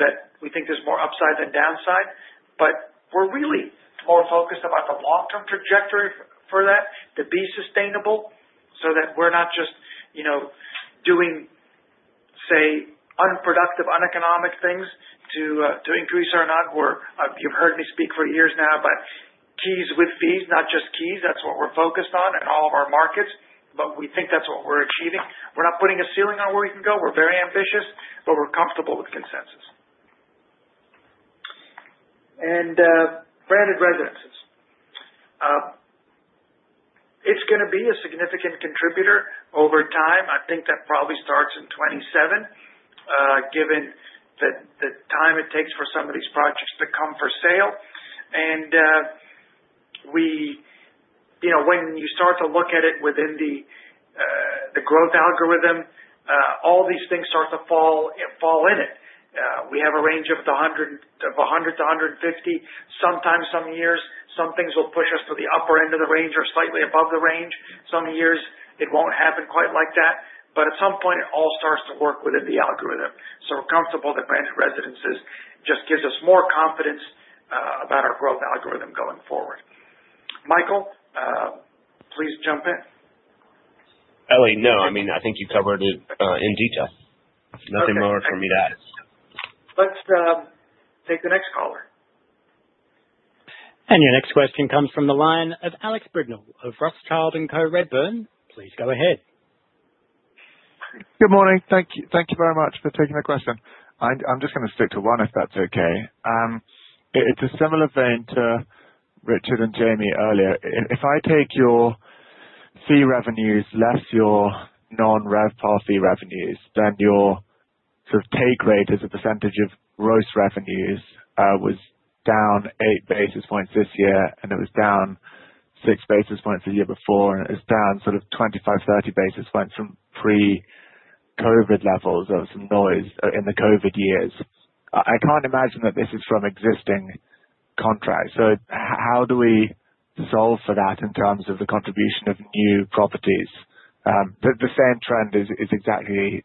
that we think there's more upside than downside, but we're really more focused about the long-term trajectory for that, to be sustainable, so that we're not just, you know, doing, say, unproductive, uneconomic things to increase our NUG. Or you've heard me speak for years now, but keys with fees, not just keys. That's what we're focused on in all of our markets, but we think that's what we're achieving. We're not putting a ceiling on where we can go. We're very ambitious, but we're comfortable with consensus. And, branded residences. It's gonna be a significant contributor over time. I think that probably starts in 2027, given the time it takes for some of these projects to come for sale. And, you know, when you start to look at it within the growth algorithm, all these things start to fall in it. We have a range of 100, of 100 to 150. Sometimes, some years, some things will push us to the upper end of the range or slightly above the range. Some years it won't happen quite like that, but at some point it all starts to work within the algorithm. So we're comfortable that branded residences just gives us more confidence about our growth algorithm going forward. Michael, please jump in. Elie, no. I mean, I think you covered it, in detail. Okay. Nothing more for me to add. Let's take the next caller. Your next question comes from the line of Alex Brignall of Rothschild & Co Redburn. Please go ahead. Good morning. Thank you. Thank you very much for taking my question. I'm just gonna stick to one, if that's okay. It's a similar vein to Richard and Jamie earlier. If I take your fee revenues less your non-RevPAR fee revenues, then your sort of take rate as a percentage of gross revenues was down 8 basis points this year, and it was down 6 basis points the year before, and it was down sort of 25-30 basis points from pre-COVID levels. There was some noise in the COVID years. I can't imagine that this is from existing contracts. So how do we solve for that in terms of the contribution of new properties? The same trend is exactly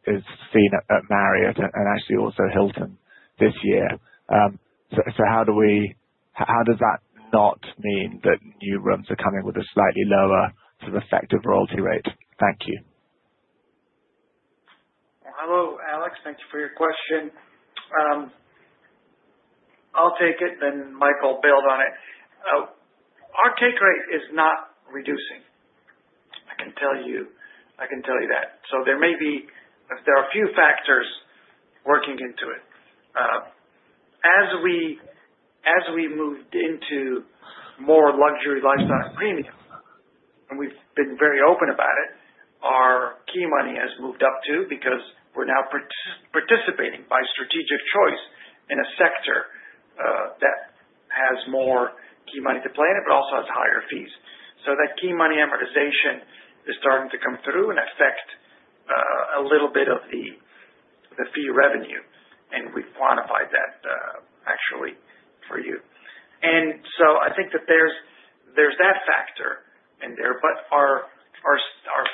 seen at Marriott and actually also Hilton this year. So how do we... How does that not mean that new rooms are coming with a slightly lower sort of effective royalty rate? Thank you. Hello, Alex. Thank you for your question. I'll take it, then Michael build on it. Our take rate is not reducing. I can tell you. I can tell you that. So there may be... There are a few factors working into it. As we moved into more luxury lifestyle and premium, and we've been very open about it, our key money has moved up, too, because we're now participating by strategic choice in a sector that has more key money to play in, but also has higher fees. So that key money amortization is starting to come through and affect a little bit of the fee revenue, and we've quantified that, actually for you. And so I think that there's that factor in there, but our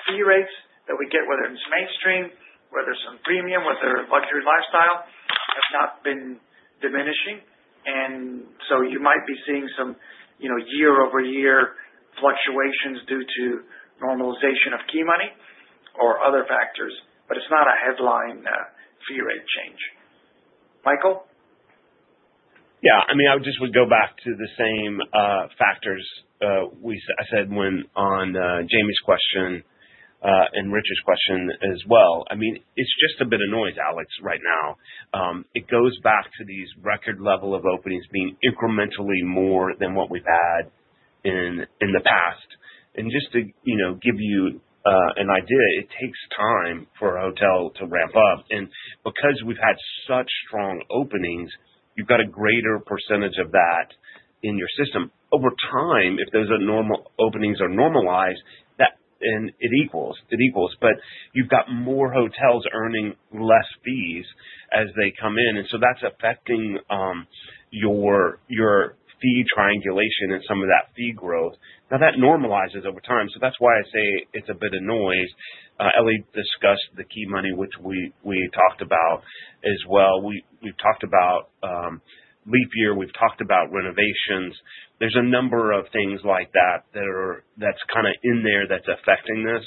fee rates that we get, whether it's mainstream, whether it's on premium, whether luxury lifestyle, have not been diminishing. And so you might be seeing some, you know, year-over-year fluctuations due to normalization of key money or other factors, but it's not a headline fee rate change. Michael? Yeah, I mean, I just would go back to the same factors I said when on Jamie's question and Richard's question as well. I mean, it's just a bit of noise, Alex, right now. It goes back to these record level of openings being incrementally more than what we've had in the past. And just to, you know, give you an idea, it takes time for a hotel to ramp up, and because we've had such strong openings, you've got a greater percentage of that in your system. Over time, if those are normal openings are normalized, that and it equals, but you've got more hotels earning less fees as they come in, and so that's affecting your fee triangulation and some of that fee growth. Now, that normalizes over time, so that's why I say it's a bit of noise. Elie discussed the key money, which we, we talked about as well. We, we've talked about leap year, we've talked about renovations. There's a number of things like that, that are, that's kind of in there that's affecting this.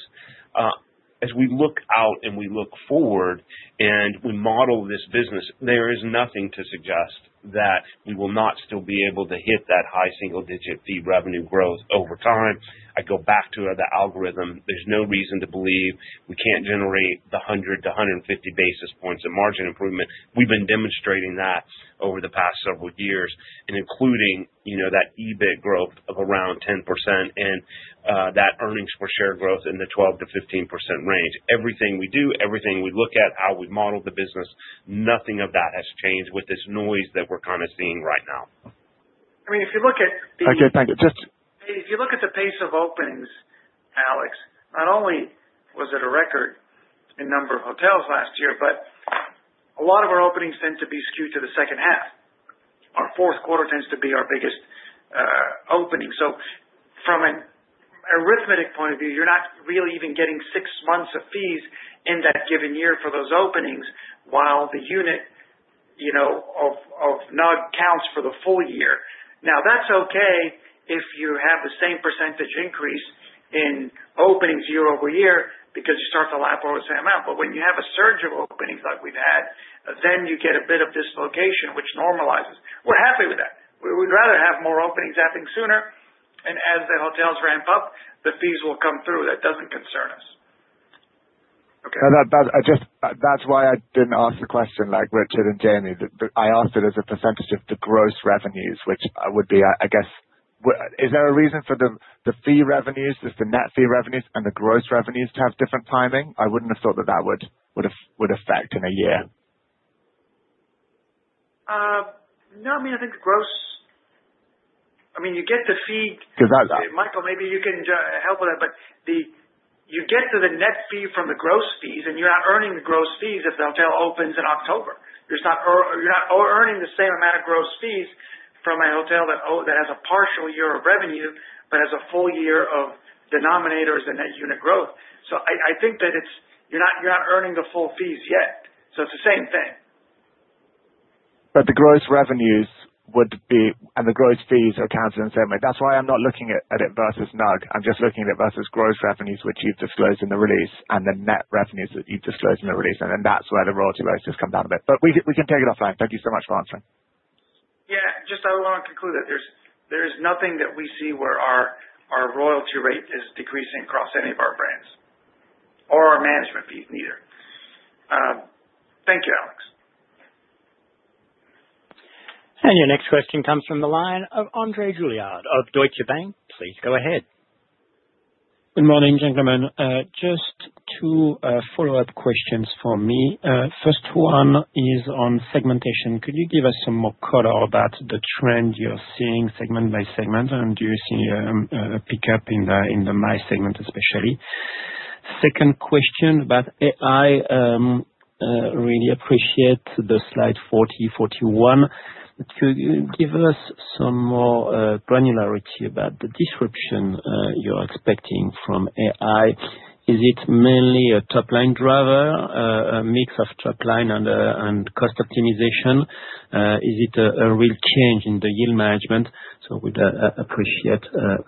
As we look out and we look forward and we model this business, there is nothing to suggest that we will not still be able to hit that high single-digit fee revenue growth over time. I go back to the algorithm. There's no reason to believe we can't generate the 100 to 150 basis points of margin improvement. We've been demonstrating that over the past several years, and including, you know, that EBIT growth of around 10% and that earnings per share growth in the 12%-15% range. Everything we do, everything we look at, how we model the business, nothing of that has changed with this noise that we're kind of seeing right now. I mean, if you look at the- Okay, thank you. Just- If you look at the pace of openings, Alex, not only was it a record in number of hotels last year, but a lot of our openings tend to be skewed to the second half. Our Q4 tends to be our biggest opening. So from an arithmetic point of view, you're not really even getting six months of fees in that given year for those openings, while the unit, you know, of NUG counts for the full year. Now, that's okay if you have the same percentage increase in openings year-over-year because you start to lap over the same amount. But when you have a surge of openings like we've had, then you get a bit of dislocation, which normalizes. We're happy with that. We would rather have more openings happening sooner, and as the hotels ramp up, the fees will come through. That doesn't concern us. Okay. That's why I didn't ask the question like Richard and Jamie did, but I asked it as a percentage of the gross revenues, which would be, I guess. Is there a reason for the fee revenues, the net fee revenues and the gross revenues to have different timing? I wouldn't have thought that that would affect in a year. No, I mean, I think the gross... I mean, you get the fee- Without that. Michael, maybe you can help with that, but the, you get to the net fee from the gross fees, and you're not earning the gross fees if the hotel opens in October. You're not earning the same amount of gross fees from a hotel that has a partial year of revenue, but has a full year of denominators and net unit growth. So I think that it's, you're not earning the full fees yet, so it's the same thing. But the gross revenues would be, and the gross fees are counted in the same way. That's why I'm not looking at it versus NUG. I'm just looking at it versus gross revenues, which you've disclosed in the release, and the net revenues that you've disclosed in the release, and then that's where the royalty rates just come down a bit. But we can take it offline. Thank you so much for answering. Yeah, just I want to conclude that there's nothing that we see where our royalty rate is decreasing across any of our brands, or our management fees either. Thank you, Alex. And your next question comes from the line of André Juillard of Deutsche Bank. Please go ahead. Good morning, gentlemen. Just 2 follow-up questions for me. First one is on segmentation. Could you give us some more color about the trend you're seeing segment by segment? And do you see a pickup in the MICE segment, especially? Second question about AI. Really appreciate the slide 40, 41. Could you give us some more granularity about the disruption you're expecting from AI? Is it mainly a top-line driver, a mix of top line and cost optimization? Is it a real change in the yield management? So would appreciate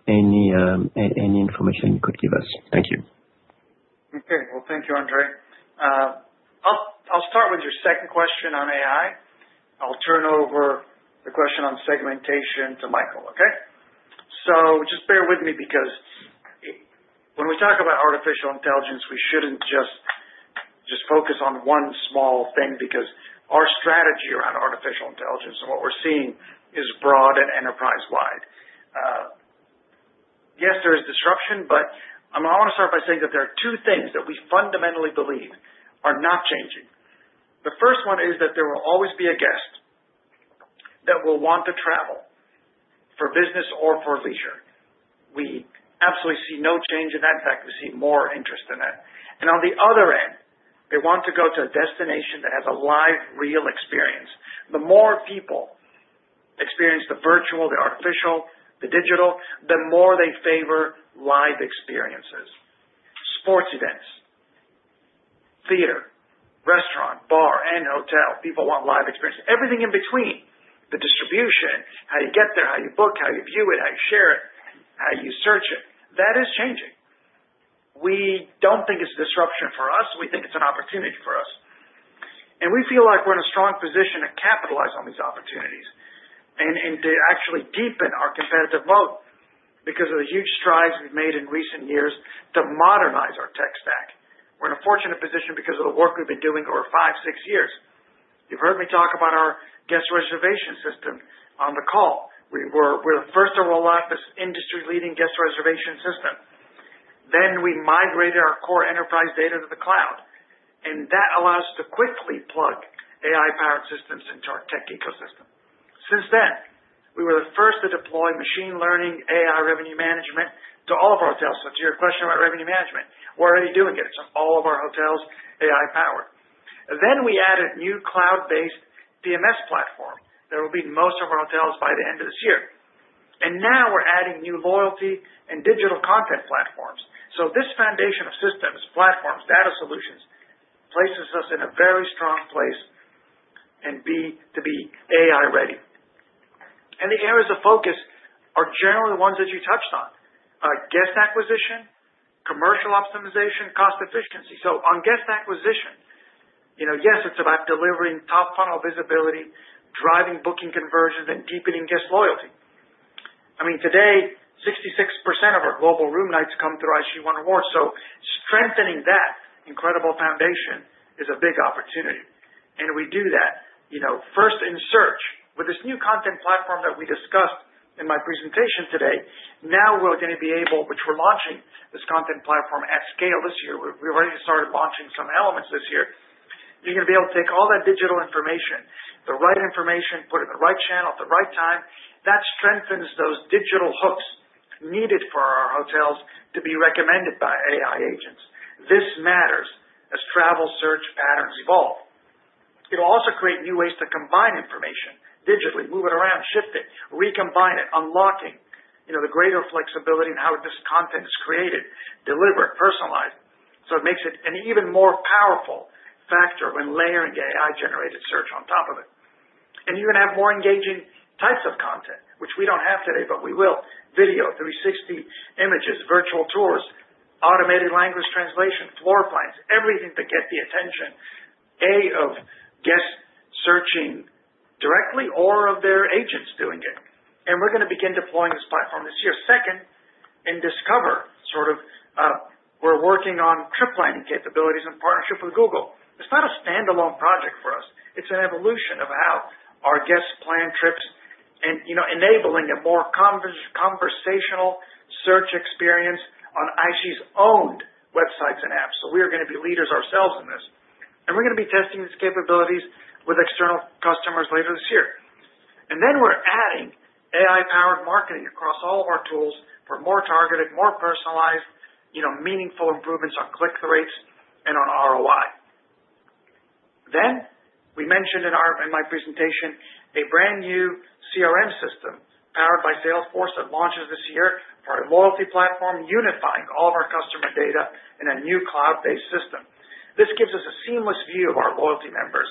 any information you could give us. Thank you. Okay. Well, thank you, André. I'll start with your second question on AI. I'll turn over the question on segmentation to Michael, okay? So just bear with me because when we talk about artificial intelligence, we shouldn't just focus on one small thing because our strategy around artificial intelligence and what we're seeing is broad and enterprise-wide. Yes, there is disruption, but I want to start by saying that there are two things that we fundamentally believe are not changing. The first one is that there will always be a guest that will want to travel for business or for leisure. We absolutely see no change in that. In fact, we see more interest in it. And on the other end, they want to go to a destination that has a live, real experience. The more people experience the virtual, the artificial, the digital, the more they favor live experiences, sports events, theater, restaurant, bar, and hotel. People want live experience. Everything in between, the distribution, how you get there, how you book, how you view it, how you share it, how you search it, that is changing. We don't think it's a disruption for us, we think it's an opportunity for us... and we feel like we're in a strong position to capitalize on these opportunities and, and to actually deepen our competitive moat because of the huge strides we've made in recent years to modernize our tech stack. We're in a fortunate position because of the work we've been doing over 5, 6 years. You've heard me talk about our guest reservation system on the call. We're, we're the first to roll out this industry-leading guest reservation system. Then we migrated our core enterprise data to the cloud, and that allowed us to quickly plug AI-powered systems into our tech ecosystem. Since then, we were the first to deploy machine learning, AI revenue management to all of our hotels. So to your question about revenue management, we're already doing it. It's all of our hotels, AI powered. Then we added new cloud-based PMS platform that will be in most of our hotels by the end of this year. And now we're adding new loyalty and digital content platforms. So this foundation of systems, platforms, data solutions, places us in a very strong place and to be AI ready. And the areas of focus are generally the ones that you touched on, guest acquisition, commercial optimization, cost efficiency. So on guest acquisition, you know, yes, it's about delivering top funnel visibility, driving booking conversions and deepening guest loyalty. I mean, today, 66% of our global room nights come through IHG One Rewards, so strengthening that incredible foundation is a big opportunity, and we do that, you know, first in search. With this new content platform that we discussed in my presentation today, now we're going to be able, which we're launching this content platform at scale this year. We've already started launching some elements this year. You're going to be able to take all that digital information, the right information, put it in the right channel at the right time. That strengthens those digital hooks needed for our hotels to be recommended by AI agents. This matters as travel search patterns evolve. It'll also create new ways to combine information digitally, move it around, shift it, recombine it, unlocking, you know, the greater flexibility in how this content is created, delivered, personalized. So it makes it an even more powerful factor when layering the AI-generated search on top of it. And you're going to have more engaging types of content, which we don't have today, but we will. Video, 360 images, virtual tours, automated language translation, floor plans, everything to get the attention, a, of guests searching directly or of their agents doing it. And we're going to begin deploying this platform this year. Second, in Discover, sort of, we're working on trip planning capabilities in partnership with Google. It's not a standalone project for us. It's an evolution of how our guests plan trips and, you know, enabling a more conversational search experience on IHG's owned websites and apps. So we are going to be leaders ourselves in this. And we're going to be testing these capabilities with external customers later this year. And then we're adding AI-powered marketing across all of our tools for more targeted, more personalized, you know, meaningful improvements on click-through rates and on ROI. Then, we mentioned in my presentation, a brand new CRM system powered by Salesforce that launches this year for our loyalty platform, unifying all of our customer data in a new cloud-based system. This gives us a seamless view of our loyalty members,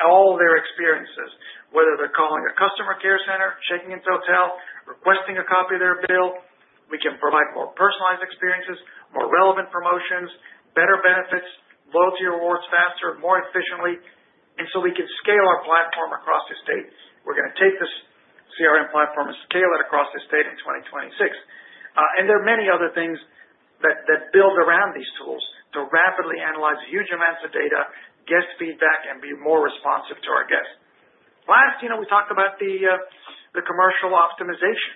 all their experiences, whether they're calling a customer care center, checking into a hotel, requesting a copy of their bill. We can provide more personalized experiences, more relevant promotions, better benefits, loyalty rewards, faster and more efficiently, and so we can scale our platform across the state. We're going to take this CRM platform and scale it across the state in 2026. And there are many other things that, that build around these tools to rapidly analyze huge amounts of data, guest feedback, and be more responsive to our guests. Last, you know, we talked about the, the commercial optimization.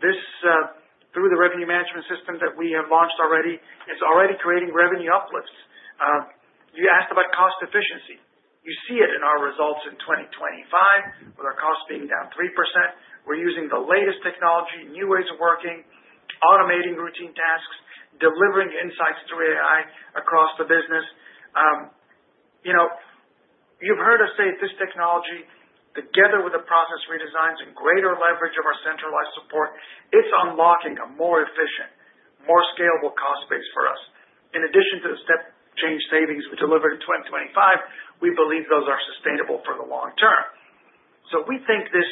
This, through the revenue management system that we have launched already, is already creating revenue uplifts. You asked about cost efficiency. You see it in our results in 2025, with our costs being down 3%. We're using the latest technology, new ways of working, automating routine tasks, delivering insights through AI across the business. You know, you've heard us say this technology, together with the process redesigns and greater leverage of our centralized support, it's unlocking a more efficient, more scalable cost base for us. In addition to the step change savings we delivered in 2025, we believe those are sustainable for the long term. So we think this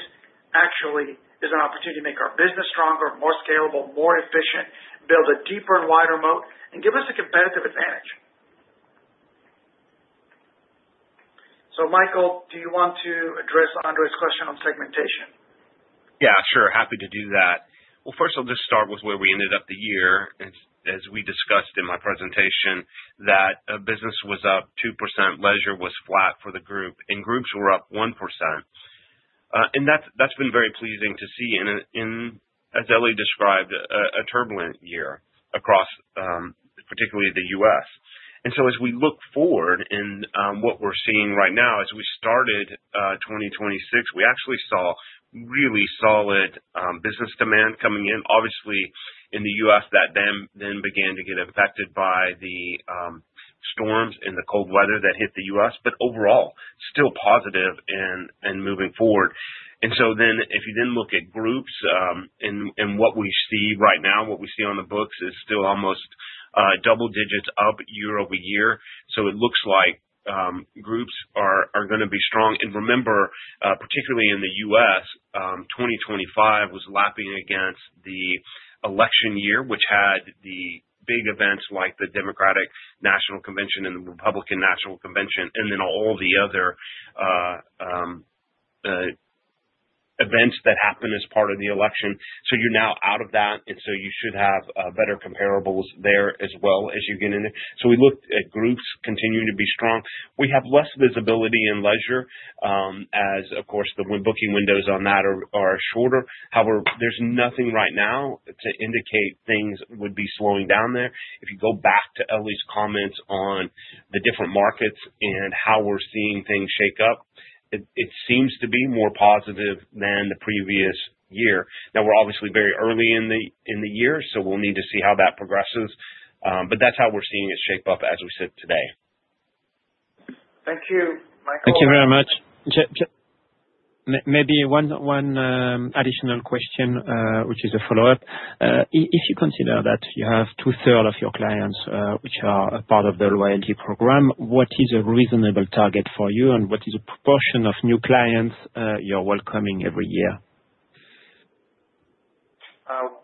actually is an opportunity to make our business stronger, more scalable, more efficient, build a deeper and wider moat, and give us a competitive advantage. So Michael, do you want to address André's question on segmentation? Yeah, sure. Happy to do that. Well, first, I'll just start with where we ended up the year. As we discussed in my presentation, that business was up 2%, leisure was flat for the group, and groups were up 1%. And that's been very pleasing to see in a, as Elie described, a turbulent year across, particularly the U.S. And so as we look forward and what we're seeing right now, as we started 2026, we actually saw really solid business demand coming in. Obviously, in the U.S., that then began to get affected by the storms and the cold weather that hit the U.S., but overall, still positive and moving forward. And so then, if you then look at groups, and what we see right now, what we see on the books is still almost double digits up year-over-year. So it looks like groups are going to be strong. And remember, particularly in the U.S., 2025 was lapping against the election year, which had the big events like the Democratic National Convention and the Republican National Convention, and then all the other events that happen as part of the election, so you're now out of that, and so you should have better comparables there as well as you get in it. So we looked at groups continuing to be strong. We have less visibility in leisure, as, of course, the booking windows on that are shorter. However, there's nothing right now to indicate things would be slowing down there. If you go back to Elie's comments on the different markets and how we're seeing things shake up, it seems to be more positive than the previous year. Now we're obviously very early in the year, so we'll need to see how that progresses. But that's how we're seeing it shape up as we sit today. Thank you, Michael. Thank you very much. Maybe one additional question, which is a follow-up. If you consider that you have two-thirds of your clients, which are a part of the loyalty program, what is a reasonable target for you, and what is the proportion of new clients you're welcoming every year?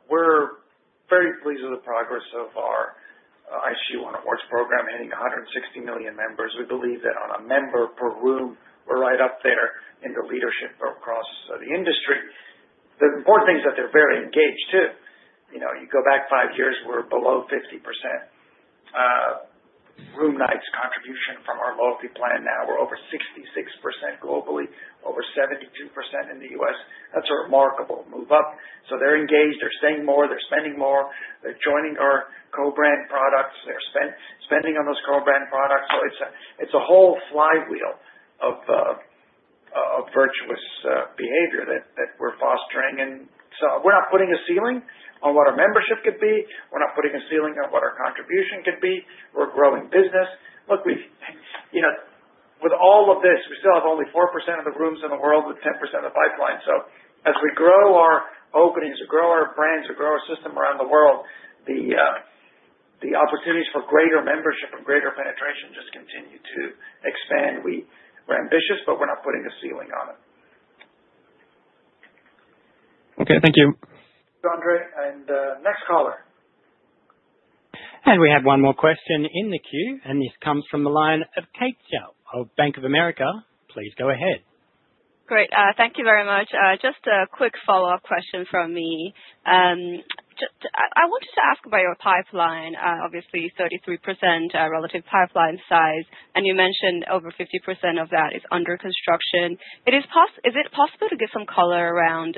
We're very pleased with the progress of our IHG Rewards program, hitting 160 million members. We believe that on a member per room, we're right up there in the leadership across the industry. The important thing is that they're very engaged, too. You know, you go back 5 years, we're below 50% room nights contribution from our loyalty plan. Now we're over 66% globally, over 72% in the US. That's a remarkable move up. So they're engaged, they're staying more, they're spending more, they're joining our co-brand products. They're spending on those co-brand products. So it's a whole flywheel of virtuous behavior that we're fostering. And so we're not putting a ceiling on what our membership could be. We're not putting a ceiling on what our contribution could be. We're a growing business. Look, we've. You know, with all of this, we still have only 4% of the rooms in the world with 10% of the pipeline. So as we grow our openings, to grow our brands, to grow our system around the world, the opportunities for greater membership and greater penetration just continue to expand. We're ambitious, but we're not putting a ceiling on it. Okay, thank you. André, and next caller. We have one more question in the queue, and this comes from the line of Kate Zhao of Bank of America. Please go ahead. Great. Thank you very much. Just a quick follow-up question from me. I wanted to ask about your pipeline, obviously 33%, relative pipeline size, and you mentioned over 50% of that is under construction. Is it possible to give some color around,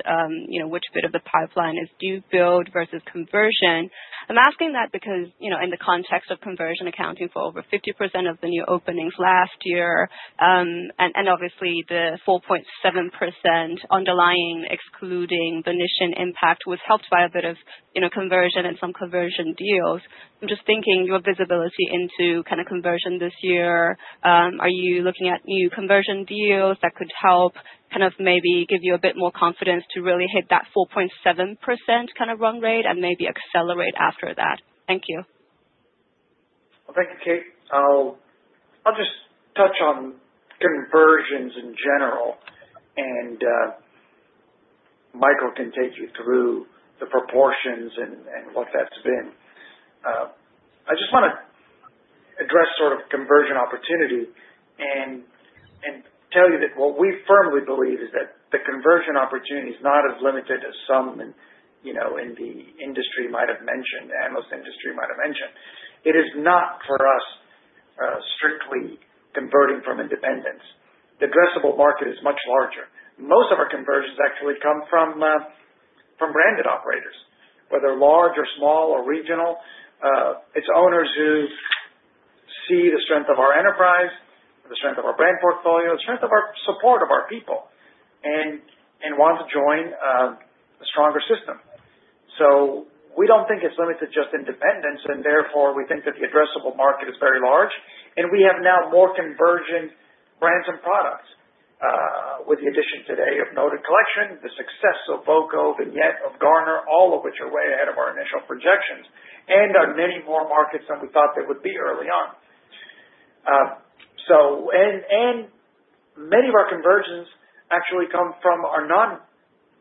you know, which bit of the pipeline is do build versus conversion? I'm asking that because, you know, in the context of conversion, accounting for over 50% of the new openings last year, and obviously the 4.7% underlying, excluding Venetian impact, was helped by a bit of, you know, conversion and some conversion deals. I'm just thinking your visibility into kind of conversion this year, are you looking at new conversion deals that could help kind of maybe give you a bit more confidence to really hit that 4.7% kind of run rate and maybe accelerate after that? Thank you. Well, thank you, Kate. I'll just touch on conversions in general, and Michael can take you through the proportions and what that's been. I just wanna address sort of conversion opportunity and tell you that what we firmly believe is that the conversion opportunity is not as limited as some in, you know, in the industry might have mentioned, the analyst industry might have mentioned. It is not, for us, strictly converting from independence. The addressable market is much larger. Most of our conversions actually come from branded operators, whether large or small or regional. It's owners who see the strength of our enterprise, the strength of our brand portfolio, the strength of our support of our people and want to join a stronger system. So we don't think it's limited to just independents, and therefore, we think that the addressable market is very large, and we have now more conversion brands and products, with the addition today of Noted Collection, the success of voco, Vignette, of Garner, all of which are way ahead of our initial projections, and are many more markets than we thought they would be early on. So, and, and many of our conversions actually come from our non,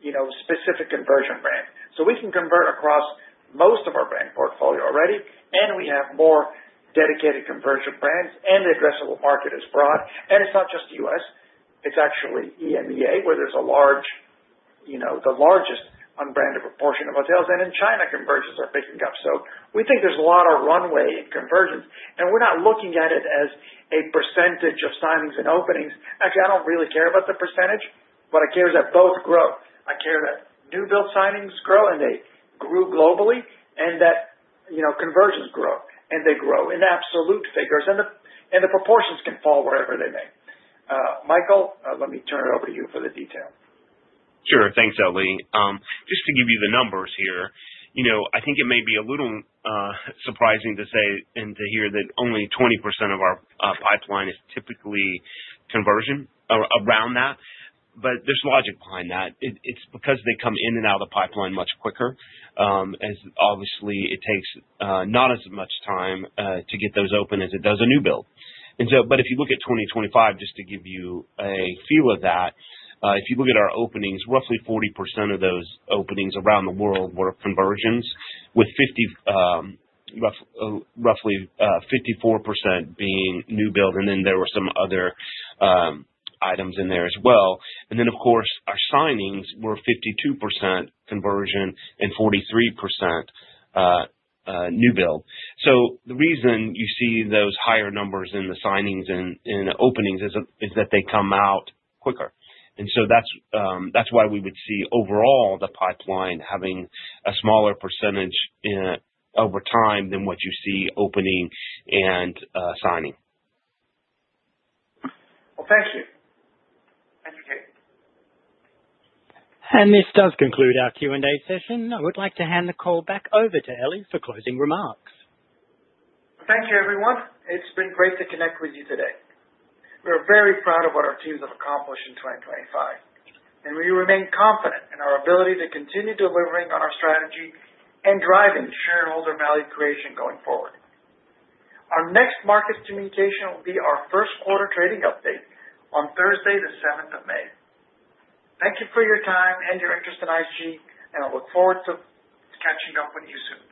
you know, specific conversion brand. So we can convert across most of our brand portfolio already, and we have more dedicated conversion brands, and the addressable market is broad. It's not just U.S., it's actually EMEA, where there's a large, you know, the largest unbranded proportion of hotels, and in China, conversions are picking up. So we think there's a lot of runway in conversions, and we're not looking at it as a percentage of signings and openings. Actually, I don't really care about the percentage, what I care is that both grow. I care that new build signings grow, and they grew globally, and that, you know, conversions grow, and they grow in absolute figures, and the proportions can fall wherever they may. Michael, let me turn it over to you for the details. Sure. Thanks, Elie. Just to give you the numbers here, you know, I think it may be a little surprising to say and to hear that only 20% of our pipeline is typically conversion, around that. But there's logic behind that. It's because they come in and out of the pipeline much quicker, as obviously it takes not as much time to get those open as it does a new build. But if you look at 2025, just to give you a feel of that, if you look at our openings, roughly 40% of those openings around the world were conversions, with roughly 54% being new build, and then there were some other items in there as well. Then, of course, our signings were 52% conversion and 43% new build. So the reason you see those higher numbers in the signings and in the openings is that they come out quicker. And so that's why we would see overall the pipeline having a smaller percentage over time than what you see opening and signing. Well, thank you. Thank you, Kate. This does conclude our Q&A session. I would like to hand the call back over to Eli for closing remarks. Thank you, everyone. It's been great to connect with you today. We are very proud of what our teams have accomplished in 2025, and we remain confident in our ability to continue delivering on our strategy and driving shareholder value creation going forward. Our next market communication will be our Q1 trading update on Thursday, the seventh of May. Thank you for your time and your interest in IHG, and I look forward to catching up with you soon.